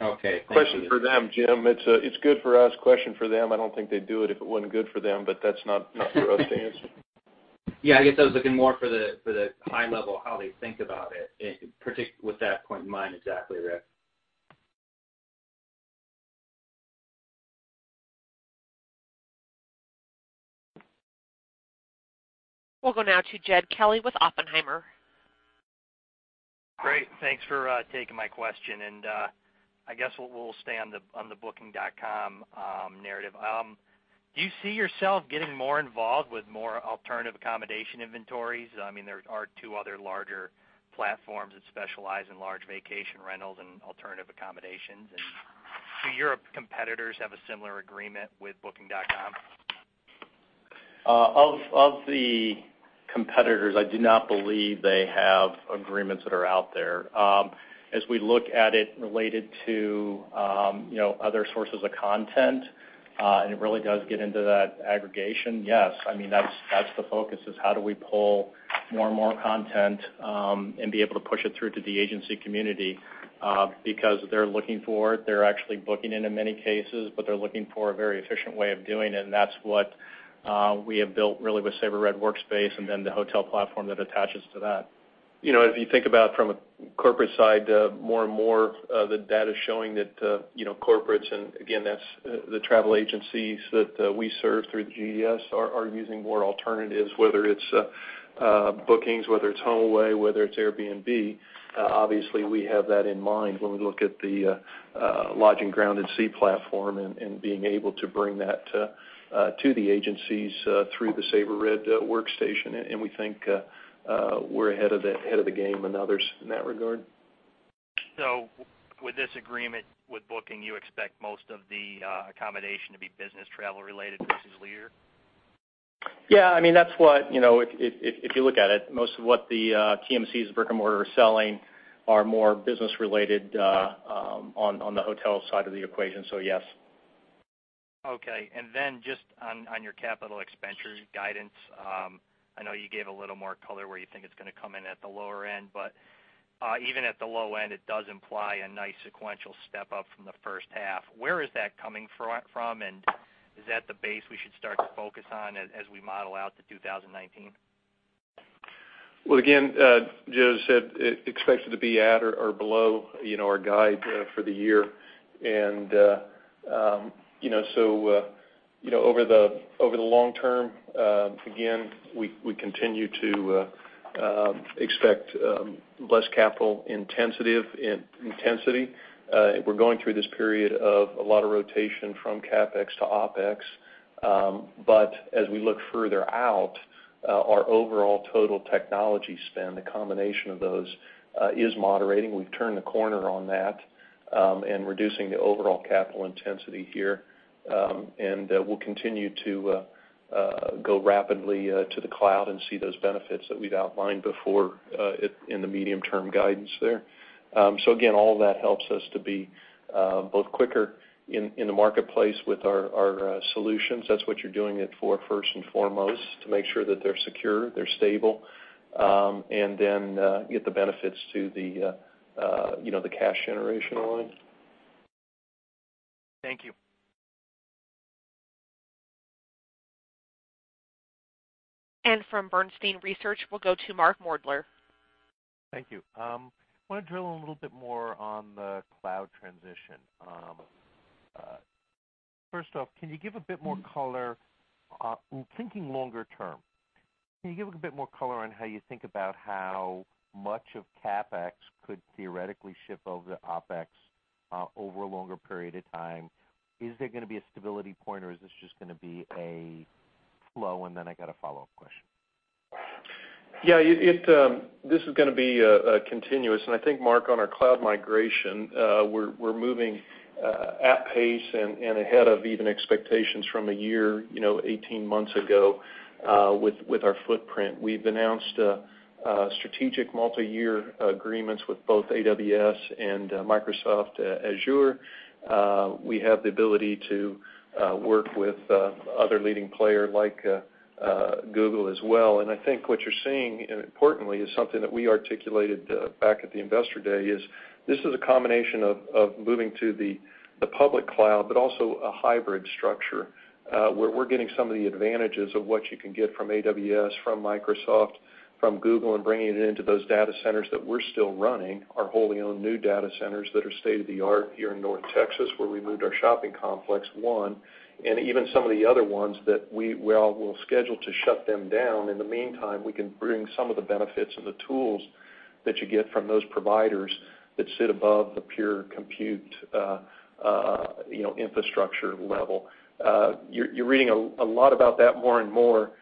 Okay. Thank you. Question for them, Jim. It's good for us. Question for them. I don't think they'd do it if it wasn't good for them. That's not for us to answer. Yeah, I guess I was looking more for the high level, how they think about it, with that point in mind. Exactly, Rick. We'll go now to Jed Kelly with Oppenheimer. Great. Thanks for taking my question. I guess we'll stay on the Booking.com narrative. Do you see yourself getting more involved with more alternative accommodation inventories? There are two other larger platforms that specialize in large vacation rentals and alternative accommodations. Do your competitors have a similar agreement with Booking.com? Of the competitors, I do not believe they have agreements that are out there. As we look at it related to other sources of content, it really does get into that aggregation. Yes. That's the focus, is how do we pull more and more content, and be able to push it through to the agency community? They're looking for it, they're actually booking it in many cases, but they're looking for a very efficient way of doing it, and that's what we have built, really, with Sabre Red Workspace and then the hotel platform that attaches to that. If you think about from a corporate side, more and more the data's showing that corporates, and again, that's the travel agencies that we serve through the GDS, are using more alternatives, whether it's Booking.com, whether it's HomeAway, whether it's Airbnb. Obviously, we have that in mind when we look at the Lodging, Ground and Sea platform and being able to bring that to the agencies through the Sabre Red Workspace. We think we're ahead of the game than others in that regard. With this agreement with Booking, you expect most of the accommodation to be business travel related this year? Yeah. If you look at it, most of what the TMCs brick-and-mortar are selling are more business related on the hotel side of the equation, yes. Okay. Just on your capital expenditure guidance, I know you gave a little more color where you think it's going to come in at the lower end, but even at the low end, it does imply a nice sequential step up from the first half. Where is that coming from, and is that the base we should start to focus on as we model out to 2019? Well, again, Just said expect it to be at or below our guide for the year. Over the long term, again, we continue to expect less capital intensity. We're going through this period of a lot of rotation from CapEx to OpEx. As we look further out, our overall total technology spend, the combination of those, is moderating. We've turned the corner on that and reducing the overall capital intensity here. We'll continue to go rapidly to the cloud and see those benefits that we've outlined before in the medium-term guidance there. Again, all that helps us to be both quicker in the marketplace with our solutions. That's what you're doing it for, first and foremost, to make sure that they're secure, they're stable, and then get the benefits to the cash generation line. Thank you. From Bernstein Research, we'll go to Mark Moerdler. Thank you. I want to drill a little bit more on the cloud transition. First off, can you give a bit more color, thinking longer term, can you give a bit more color on how you think about how much of CapEx could theoretically ship over to OpEx over a longer period of time? Is there going to be a stability point, or is this just going to be a flow? I got a follow-up question. Yeah, this is going to be continuous. I think, Mark, on our cloud migration, we're moving at pace and ahead of even expectations from a year, 18 months ago, with our footprint. We've announced strategic multi-year agreements with both AWS and Microsoft Azure. We have the ability to work with other leading player like Google as well. I think what you're seeing, and importantly, is something that we articulated back at the Investor Day is this is a combination of moving to the public cloud, but also a hybrid structure, where we're getting some of the advantages of what you can get from AWS, from Microsoft, from Google, and bringing it into those data centers that we're still running, our wholly owned new data centers that are state-of-the-art here in North Texas, where we moved our shopping complex one, even some of the other ones that we will schedule to shut them down. In the meantime, we can bring some of the benefits and the tools that you get from those providers that sit above the pure compute infrastructure level. You're reading a lot about that more and more.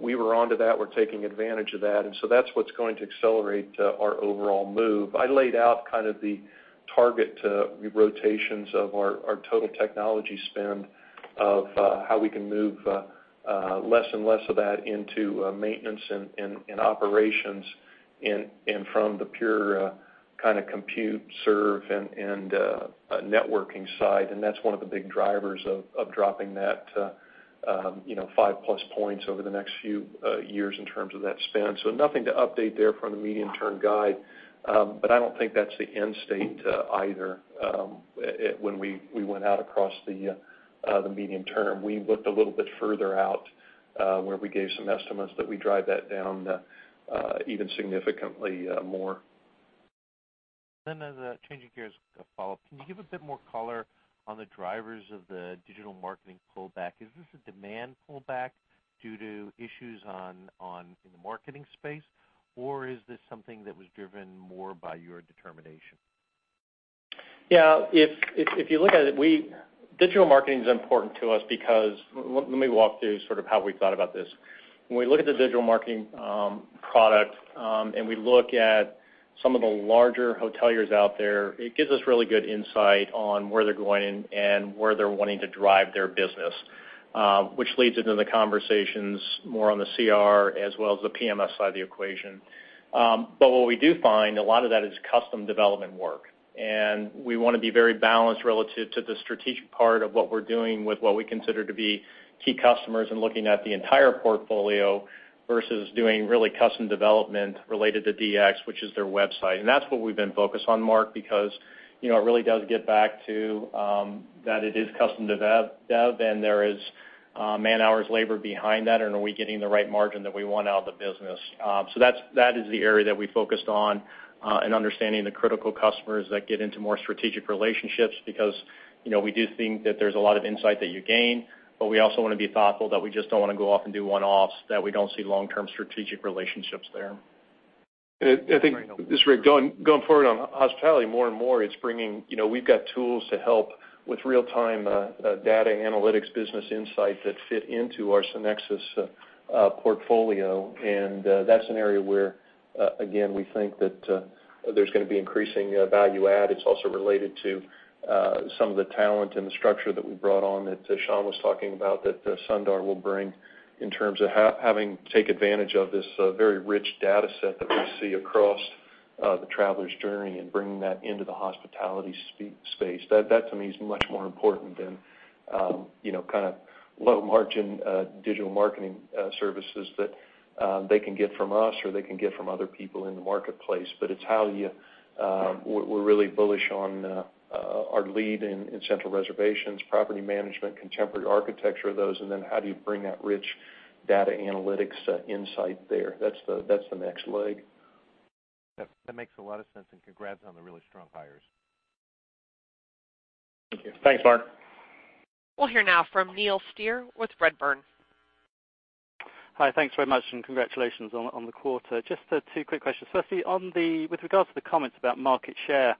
We were onto that. We're taking advantage of that. That's what's going to accelerate our overall move. I laid out the target to rotations of our total technology spend of how we can move less and less of that into maintenance and operations and from the pure compute server and networking side. That's one of the big drivers of dropping that to 5-plus points over the next few years in terms of that spend. Nothing to update there from the medium-term guide, but I don't think that's the end state either. When we went out across the medium term, we looked a little bit further out, where we gave some estimates that we drive that down even significantly more. As a changing gears follow-up, can you give a bit more color on the drivers of the digital marketing pullback? Is this a demand pullback due to issues in the marketing space, or is this something that was driven more by your determination? Yeah. Let me walk through how we thought about this. When we look at the digital marketing product, and we look at some of the larger hoteliers out there, it gives us really good insight on where they're going and where they're wanting to drive their business, which leads into the conversations more on the CRS as well as the PMS side of the equation. What we do find, a lot of that is custom development work, and we want to be very balanced relative to the strategic part of what we're doing with what we consider to be key customers and looking at the entire portfolio versus doing really custom development related to DX, which is their website. That's what we've been focused on, Mark, because it really does get back to that it is custom dev, and there is man-hours labor behind that, and are we getting the right margin that we want out of the business? That is the area that we focused on in understanding the critical customers that get into more strategic relationships because we do think that there's a lot of insight that you gain, but we also want to be thoughtful that we just don't want to go off and do one-offs that we don't see long-term strategic relationships there. I think, this is Rick, going forward on hospitality, more and more, we've got tools to help with real-time data analytics business insight that fit into our SynXis portfolio, and that's an area where, again, we think that there's going to be increasing value-add. It's also related to some of the talent and the structure that we brought on that Sean was talking about that Sundar will bring in terms of having take advantage of this very rich data set that we see across the traveler's journey and bringing that into the hospitality space. That, to me, is much more important than low margin digital marketing services that they can get from us or they can get from other people in the marketplace. It's how we're really bullish on our lead in central reservations, property management, contemporary architecture of those, and then how do you bring that rich data analytics insight there? That's the next leg. That makes a lot of sense, and congrats on the really strong hires. Thank you. Thanks, Mark. We'll hear now from Neil Stier with Redburn. Hi, thanks very much, and congratulations on the quarter. Just two quick questions. Firstly, with regards to the comments about market share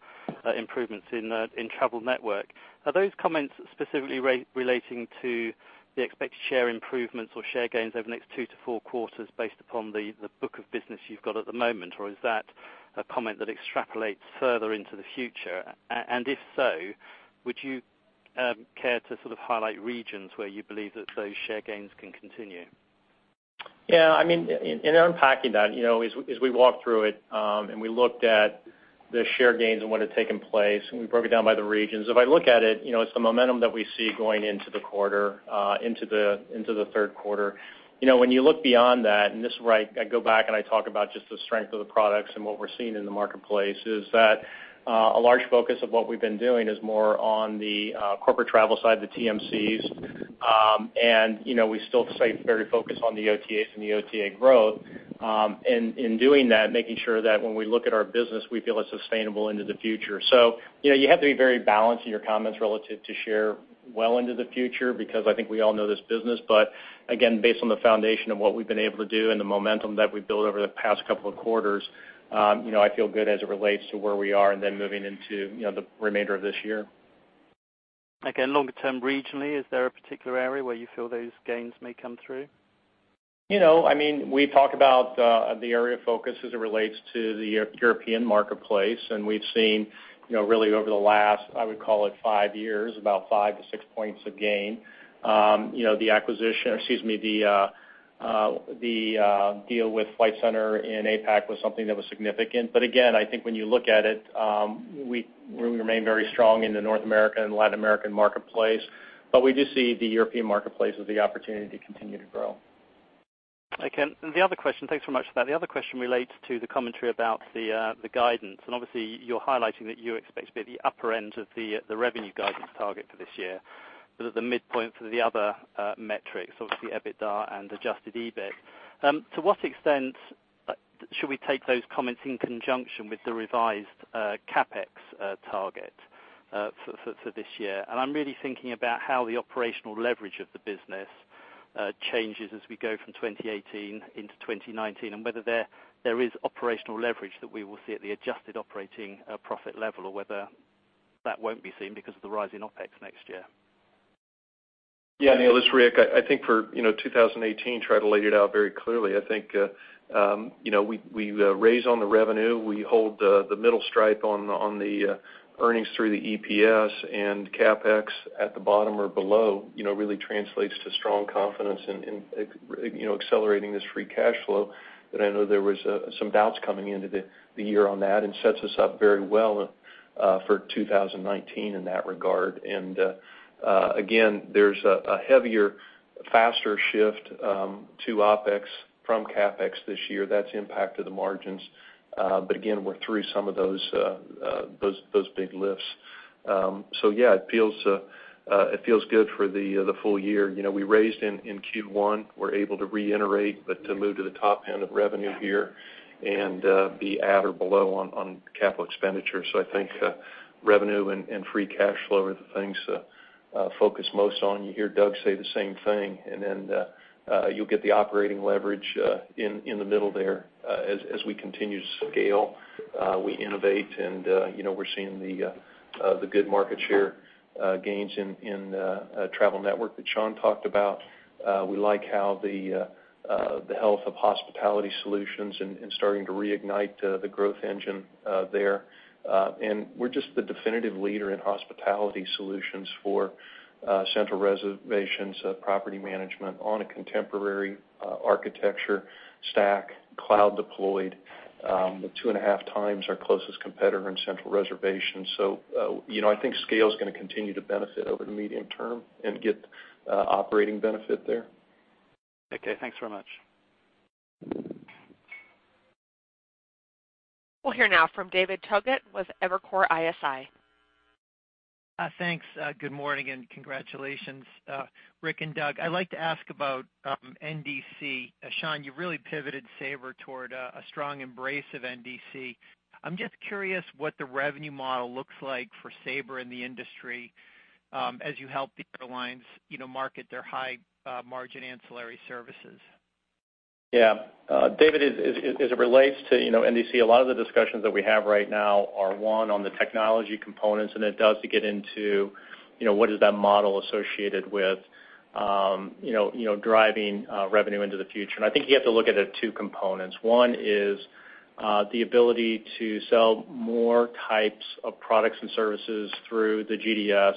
improvements in Travel Network, are those comments specifically relating to the expected share improvements or share gains over the next two to four quarters based upon the book of business you've got at the moment, or is that a comment that extrapolates further into the future? If so, would you care to highlight regions where you believe that those share gains can continue? Yeah, in unpacking that, as we walked through it, and we looked at the share gains and what had taken place, and we broke it down by the regions. If I look at it's the momentum that we see going into the third quarter. When you look beyond that, and this is where I go back and I talk about just the strength of the products and what we're seeing in the marketplace, is that a large focus of what we've been doing is more on the corporate travel side, the TMCs, and we still stay very focused on the OTAs and the OTA growth. In doing that, making sure that when we look at our business, we feel it's sustainable into the future. You have to be very balanced in your comments relative to share well into the future because I think we all know this business. Again, based on the foundation of what we've been able to do and the momentum that we've built over the past couple of quarters, I feel good as it relates to where we are and then moving into the remainder of this year. longer term regionally, is there a particular area where you feel those gains may come through? We talk about the area of focus as it relates to the European marketplace, we've seen really over the last, I would call it five years, about five to six points of gain. The deal with Flight Centre in APAC was something that was significant. Again, I think when you look at it, we remain very strong in the North America and Latin American marketplace. We do see the European marketplace as the opportunity to continue to grow. Okay. Thanks very much for that. The other question relates to the commentary about the guidance, obviously you're highlighting that you expect to be at the upper end of the revenue guidance target for this year, but at the midpoint for the other metrics, obviously EBITDA and adjusted EBIT. To what extent should we take those comments in conjunction with the revised CapEx target for this year? I'm really thinking about how the operational leverage of the business changes as we go from 2018 into 2019, and whether there is operational leverage that we will see at the adjusted operating profit level, or whether that won't be seen because of the rise in OpEx next year. Yeah, Neil, this is Rick. I think for 2018, tried to lay it out very clearly. I think we raise on the revenue, we hold the middle stripe on the earnings through the EPS and CapEx at the bottom or below, really translates to strong confidence in accelerating this free cash flow, that I know there was some doubts coming into the year on that, sets us up very well for 2019 in that regard. Again, there's a heavier, faster shift to OpEx from CapEx this year. That's impacted the margins. Again, we're through some of those big lifts. Yeah, it feels good for the full year. We raised in Q1. We're able to reinterate, to move to the top end of revenue here and be at or below on capital expenditure. I think revenue and free cash flow are the things to focus most on. You hear Doug say the same thing, and then you'll get the operating leverage in the middle there. As we continue to scale, we innovate and we're seeing the good market share gains in Sabre Travel Network that Sean talked about. We like the health of Sabre Hospitality Solutions and starting to reignite the growth engine there. We're just the definitive leader in Sabre Hospitality Solutions for central reservations, property management on a contemporary architecture stack, cloud deployed, 2.5 times our closest competitor in central reservations. I think scale is going to continue to benefit over the medium term and get operating benefit there. Okay, thanks very much. We'll hear now from David Togut with Evercore ISI. Thanks. Good morning, and congratulations. Rick and Doug, I'd like to ask about NDC. Sean, you really pivoted Sabre toward a strong embrace of NDC. I'm just curious what the revenue model looks like for Sabre in the industry as you help the airlines market their high margin ancillary services. Yeah. David, as it relates to NDC, a lot of the discussions that we have right now are one, on the technology components, it does to get into what is that model associated with driving revenue into the future. I think you have to look at it two components. One is the ability to sell more types of products and services through the GDS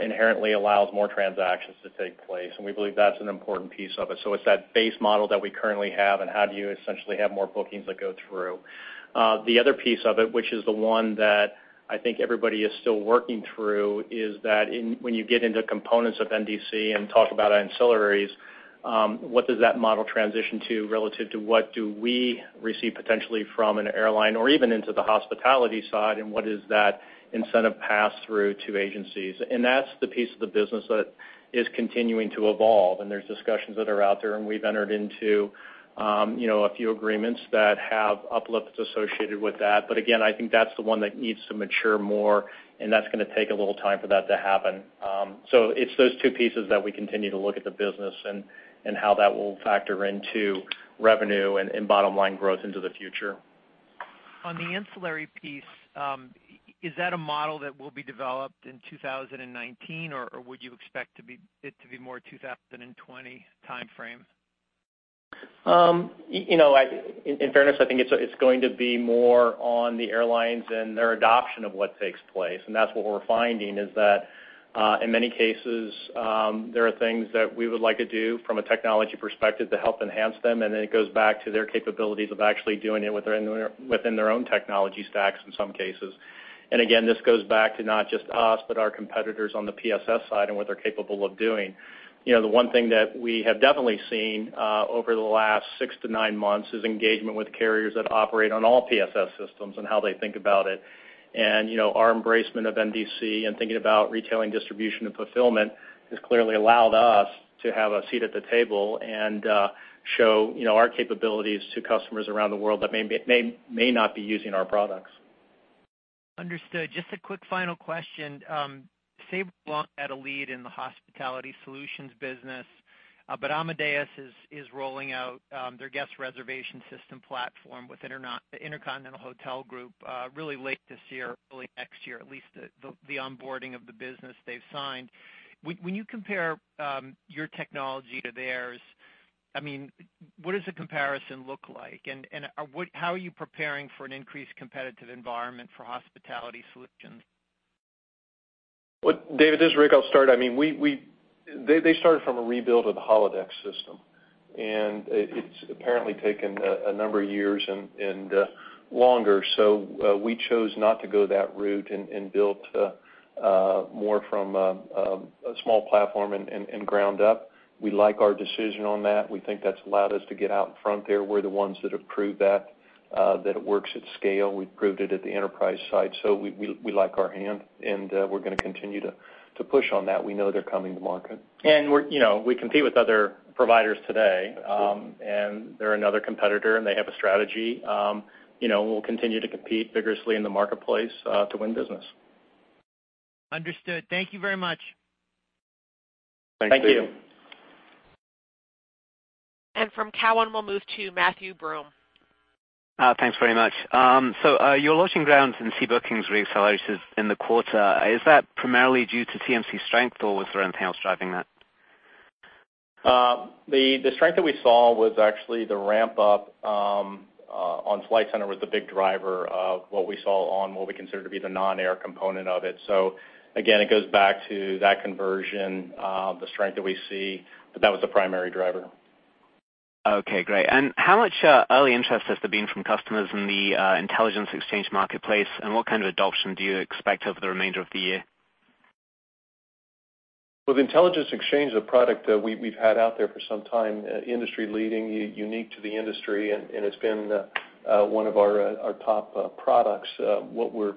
inherently allows more transactions to take place, and we believe that's an important piece of it. It's that base model that we currently have and how do you essentially have more bookings that go through. The other piece of it, which is the one that I think everybody is still working through, is that when you get into components of NDC and talk about ancillaries, what does that model transition to relative to what do we receive potentially from an airline or even into the hospitality side and what is that incentive pass through to agencies? That's the piece of the business that is continuing to evolve, and there's discussions that are out there, and we've entered into a few agreements that have uplifts associated with that. Again, I think that's the one that needs to mature more, and that's going to take a little time for that to happen. It's those two pieces that we continue to look at the business and how that will factor into revenue and bottom line growth into the future. On the ancillary piece, is that a model that will be developed in 2019, or would you expect it to be more 2020 timeframe? In fairness, I think it's going to be more on the airlines and their adoption of what takes place. That's what we're finding is that, in many cases, there are things that we would like to do from a technology perspective to help enhance them, and then it goes back to their capabilities of actually doing it within their own technology stacks in some cases. Again, this goes back to not just us, but our competitors on the PSS side and what they're capable of doing. The one thing that we have definitely seen over the last six to nine months is engagement with carriers that operate on all PSS systems and how they think about it. Our embracement of NDC and thinking about retailing distribution and fulfillment has clearly allowed us to have a seat at the table and show our capabilities to customers around the world that may not be using our products. Understood. Just a quick final question. Sabre had a lead in the hospitality solutions business, but Amadeus is rolling out their guest reservation system platform with the InterContinental Hotels Group really late this year, early next year, at least the onboarding of the business they've signed. When you compare your technology to theirs I mean, what does the comparison look like? How are you preparing for an increased competitive environment for hospitality solutions? Well, David, this is Rick, I'll start. They started from a rebuild of the Hotelect system, and it's apparently taken a number of years and longer. We chose not to go that route and built more from a small platform and ground up. We like our decision on that. We think that's allowed us to get out in front there. We're the ones that have proved that it works at scale. We proved it at the enterprise site. We like our hand, and we're going to continue to push on that. We know they're coming to market. We compete with other providers today, and they're another competitor, and they have a strategy. We'll continue to compete vigorously in the marketplace to win business. Understood. Thank you very much. Thank you. Thank you. From Cowen, we'll move to Matthew Broome. Thanks very much. Your lodging lounge and sea bookings sales acceleration in the quarter, is that primarily due to TMC strength, or was there anything else driving that? The strength that we saw was actually the ramp-up on Flight Centre was the big driver of what we saw on what we consider to be the non-air component of it. Again, it goes back to that conversion, the strength that we see, but that was the primary driver. Okay, great. How much early interest has there been from customers in the Intelligence Exchange marketplace, and what kind of adoption do you expect over the remainder of the year? With Intelligence Exchange, the product that we've had out there for some time, industry-leading, unique to the industry, and it's been one of our top products. What we're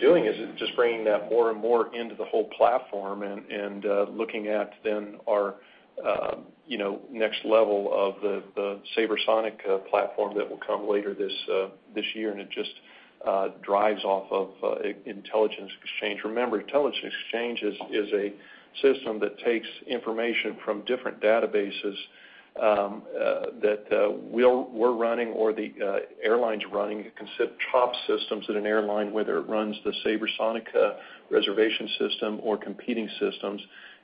doing is just bringing that more and more into the whole platform and looking at then our next level of the SabreSonic platform that will come later this year, and it just drives off of Intelligence Exchange. Remember, Intelligence Exchange is a system that takes information from different databases that we're running or the airline's running. You can set top systems at an airline, whether it runs the SabreSonic reservation system or competing systems,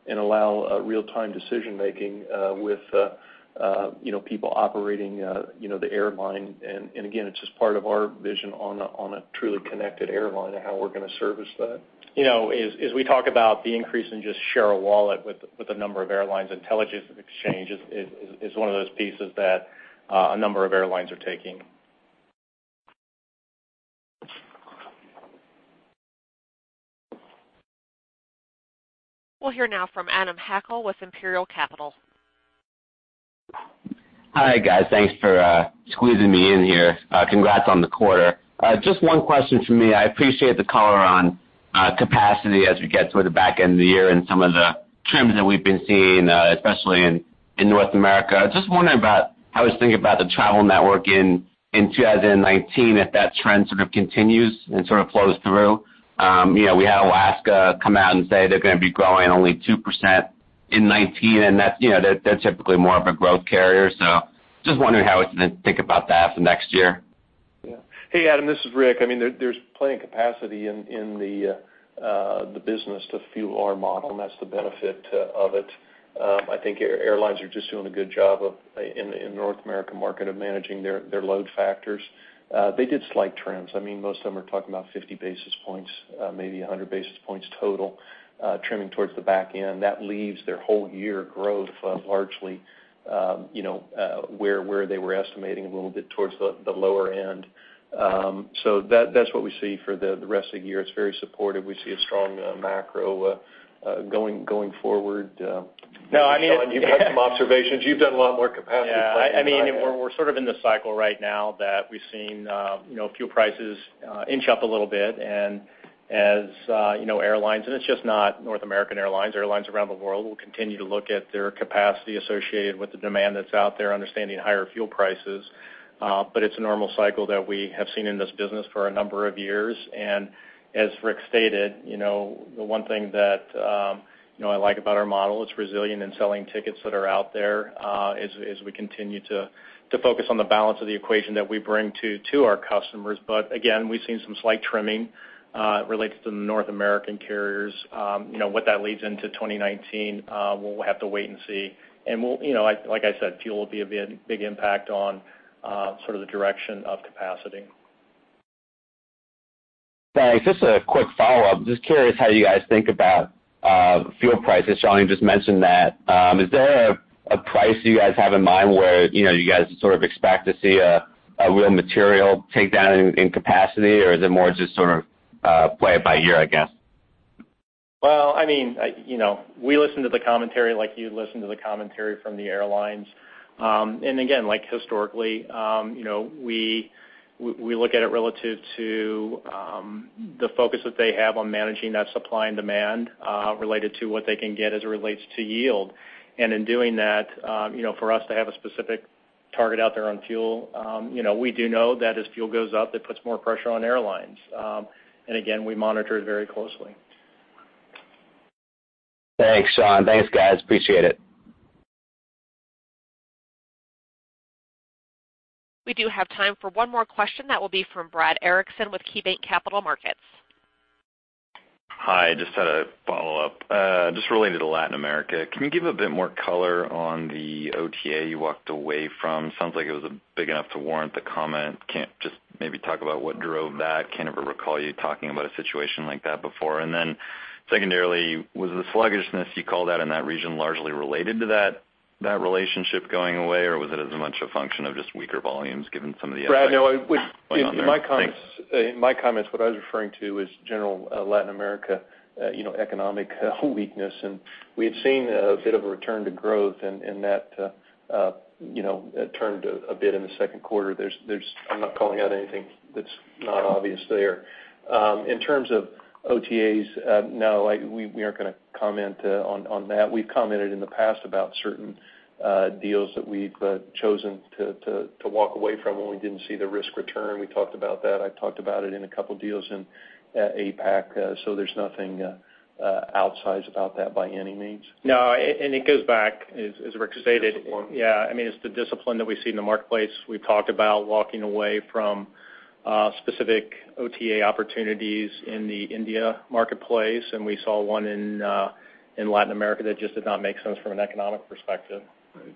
and allow real-time decision-making with people operating the airline. Again, it's just part of our vision on a truly connected airline and how we're going to service that. As we talk about the increase in just share a wallet with a number of airlines, Intelligence Exchange is one of those pieces that a number of airlines are taking. We'll hear now from Adam Hackel with Imperial Capital. Hi, guys. Thanks for squeezing me in here. Congrats on the quarter. Just one question from me. I appreciate the color on capacity as we get toward the back end of the year and some of the trims that we've been seeing, especially in North America. Just wondering about how I was thinking about the travel network in 2019, if that trend sort of continues and sort of flows through. We had Alaska come out and say they're going to be growing only 2% in 2019, and they're typically more of a growth carrier. Just wondering how it's going to think about that for next year. Yeah. Hey, Adam, this is Rick. I mean, there's plenty of capacity in the business to fuel our model, and that's the benefit of it. I think airlines are just doing a good job in North American market of managing their load factors. They did slight trims. I mean, most of them are talking about 50 basis points, maybe 100 basis points total trimming towards the back end. That leaves their whole year growth largely where they were estimating a little bit towards the lower end. That's what we see for the rest of the year. It's very supportive. We see a strong macro going forward. No, I mean. Sean, you've had some observations. You've done a lot more capacity planning than I have. Yeah. I mean, we're sort of in the cycle right now that we've seen fuel prices inch up a little bit. As airlines, and it's just not North American airlines around the world will continue to look at their capacity associated with the demand that's out there, understanding higher fuel prices. It's a normal cycle that we have seen in this business for a number of years. As Rick stated, the one thing that I like about our model, it's resilient in selling tickets that are out there as we continue to focus on the balance of the equation that we bring to our customers. Again, we've seen some slight trimming related to the North American carriers. What that leads into 2019, we'll have to wait and see. Like I said, fuel will be a big impact on sort of the direction of capacity. Thanks. Just a quick follow-up. Just curious how you guys think about fuel prices. Sean, you just mentioned that. Is there a price you guys have in mind where you guys sort of expect to see a real material takedown in capacity, or is it more just sort of play it by ear, I guess? Well, I mean, we listen to the commentary like you listen to the commentary from the airlines. Again, like historically, we look at it relative to the focus that they have on managing that supply and demand related to what they can get as it relates to yield. In doing that, for us to have a specific target out there on fuel, we do know that as fuel goes up, it puts more pressure on airlines. Again, we monitor it very closely. Thanks, Sean. Thanks, guys. Appreciate it. We do have time for one more question. That will be from Brad Erickson with KeyBanc Capital Markets. Hi. Just had a follow-up. Just related to Latin America. Can you give a bit more color on the OTA you walked away from? Sounds like it was big enough to warrant the comment. Can you just maybe talk about what drove that? Can't ever recall you talking about a situation like that before. Then secondarily, was the sluggishness you called out in that region largely related to that relationship going away, or was it as much a function of just weaker volumes given some of the effects going on there? Thanks. Brad, no. In my comments, what I was referring to was general Latin America economic weakness. We had seen a bit of a return to growth in that it turned a bit in the second quarter. I'm not calling out anything that's not obvious there. In terms of OTAs, no, we aren't going to comment on that. We've commented in the past about certain deals that we've chosen to walk away from when we didn't see the risk return. We talked about that. I've talked about it in a couple deals in APAC, there's nothing outsized about that by any means. No, it goes back, as Rick stated. Discipline It's the discipline that we see in the marketplace. We've talked about walking away from specific OTA opportunities in the India marketplace, we saw one in Latin America that just did not make sense from an economic perspective. Right.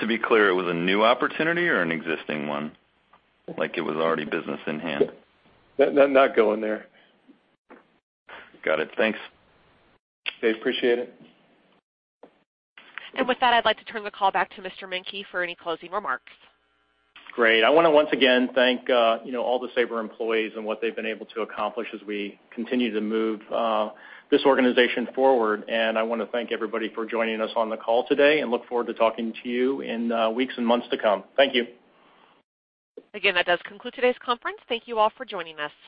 To be clear, it was a new opportunity or an existing one? It was already business in hand? Not going there. Got it. Thanks. Dave, appreciate it. With that, I'd like to turn the call back to Mr. Menke for any closing remarks. Great. I want to once again thank all the Sabre employees and what they've been able to accomplish as we continue to move this organization forward. I want to thank everybody for joining us on the call today and look forward to talking to you in weeks and months to come. Thank you. Again, that does conclude today's conference. Thank you all for joining us.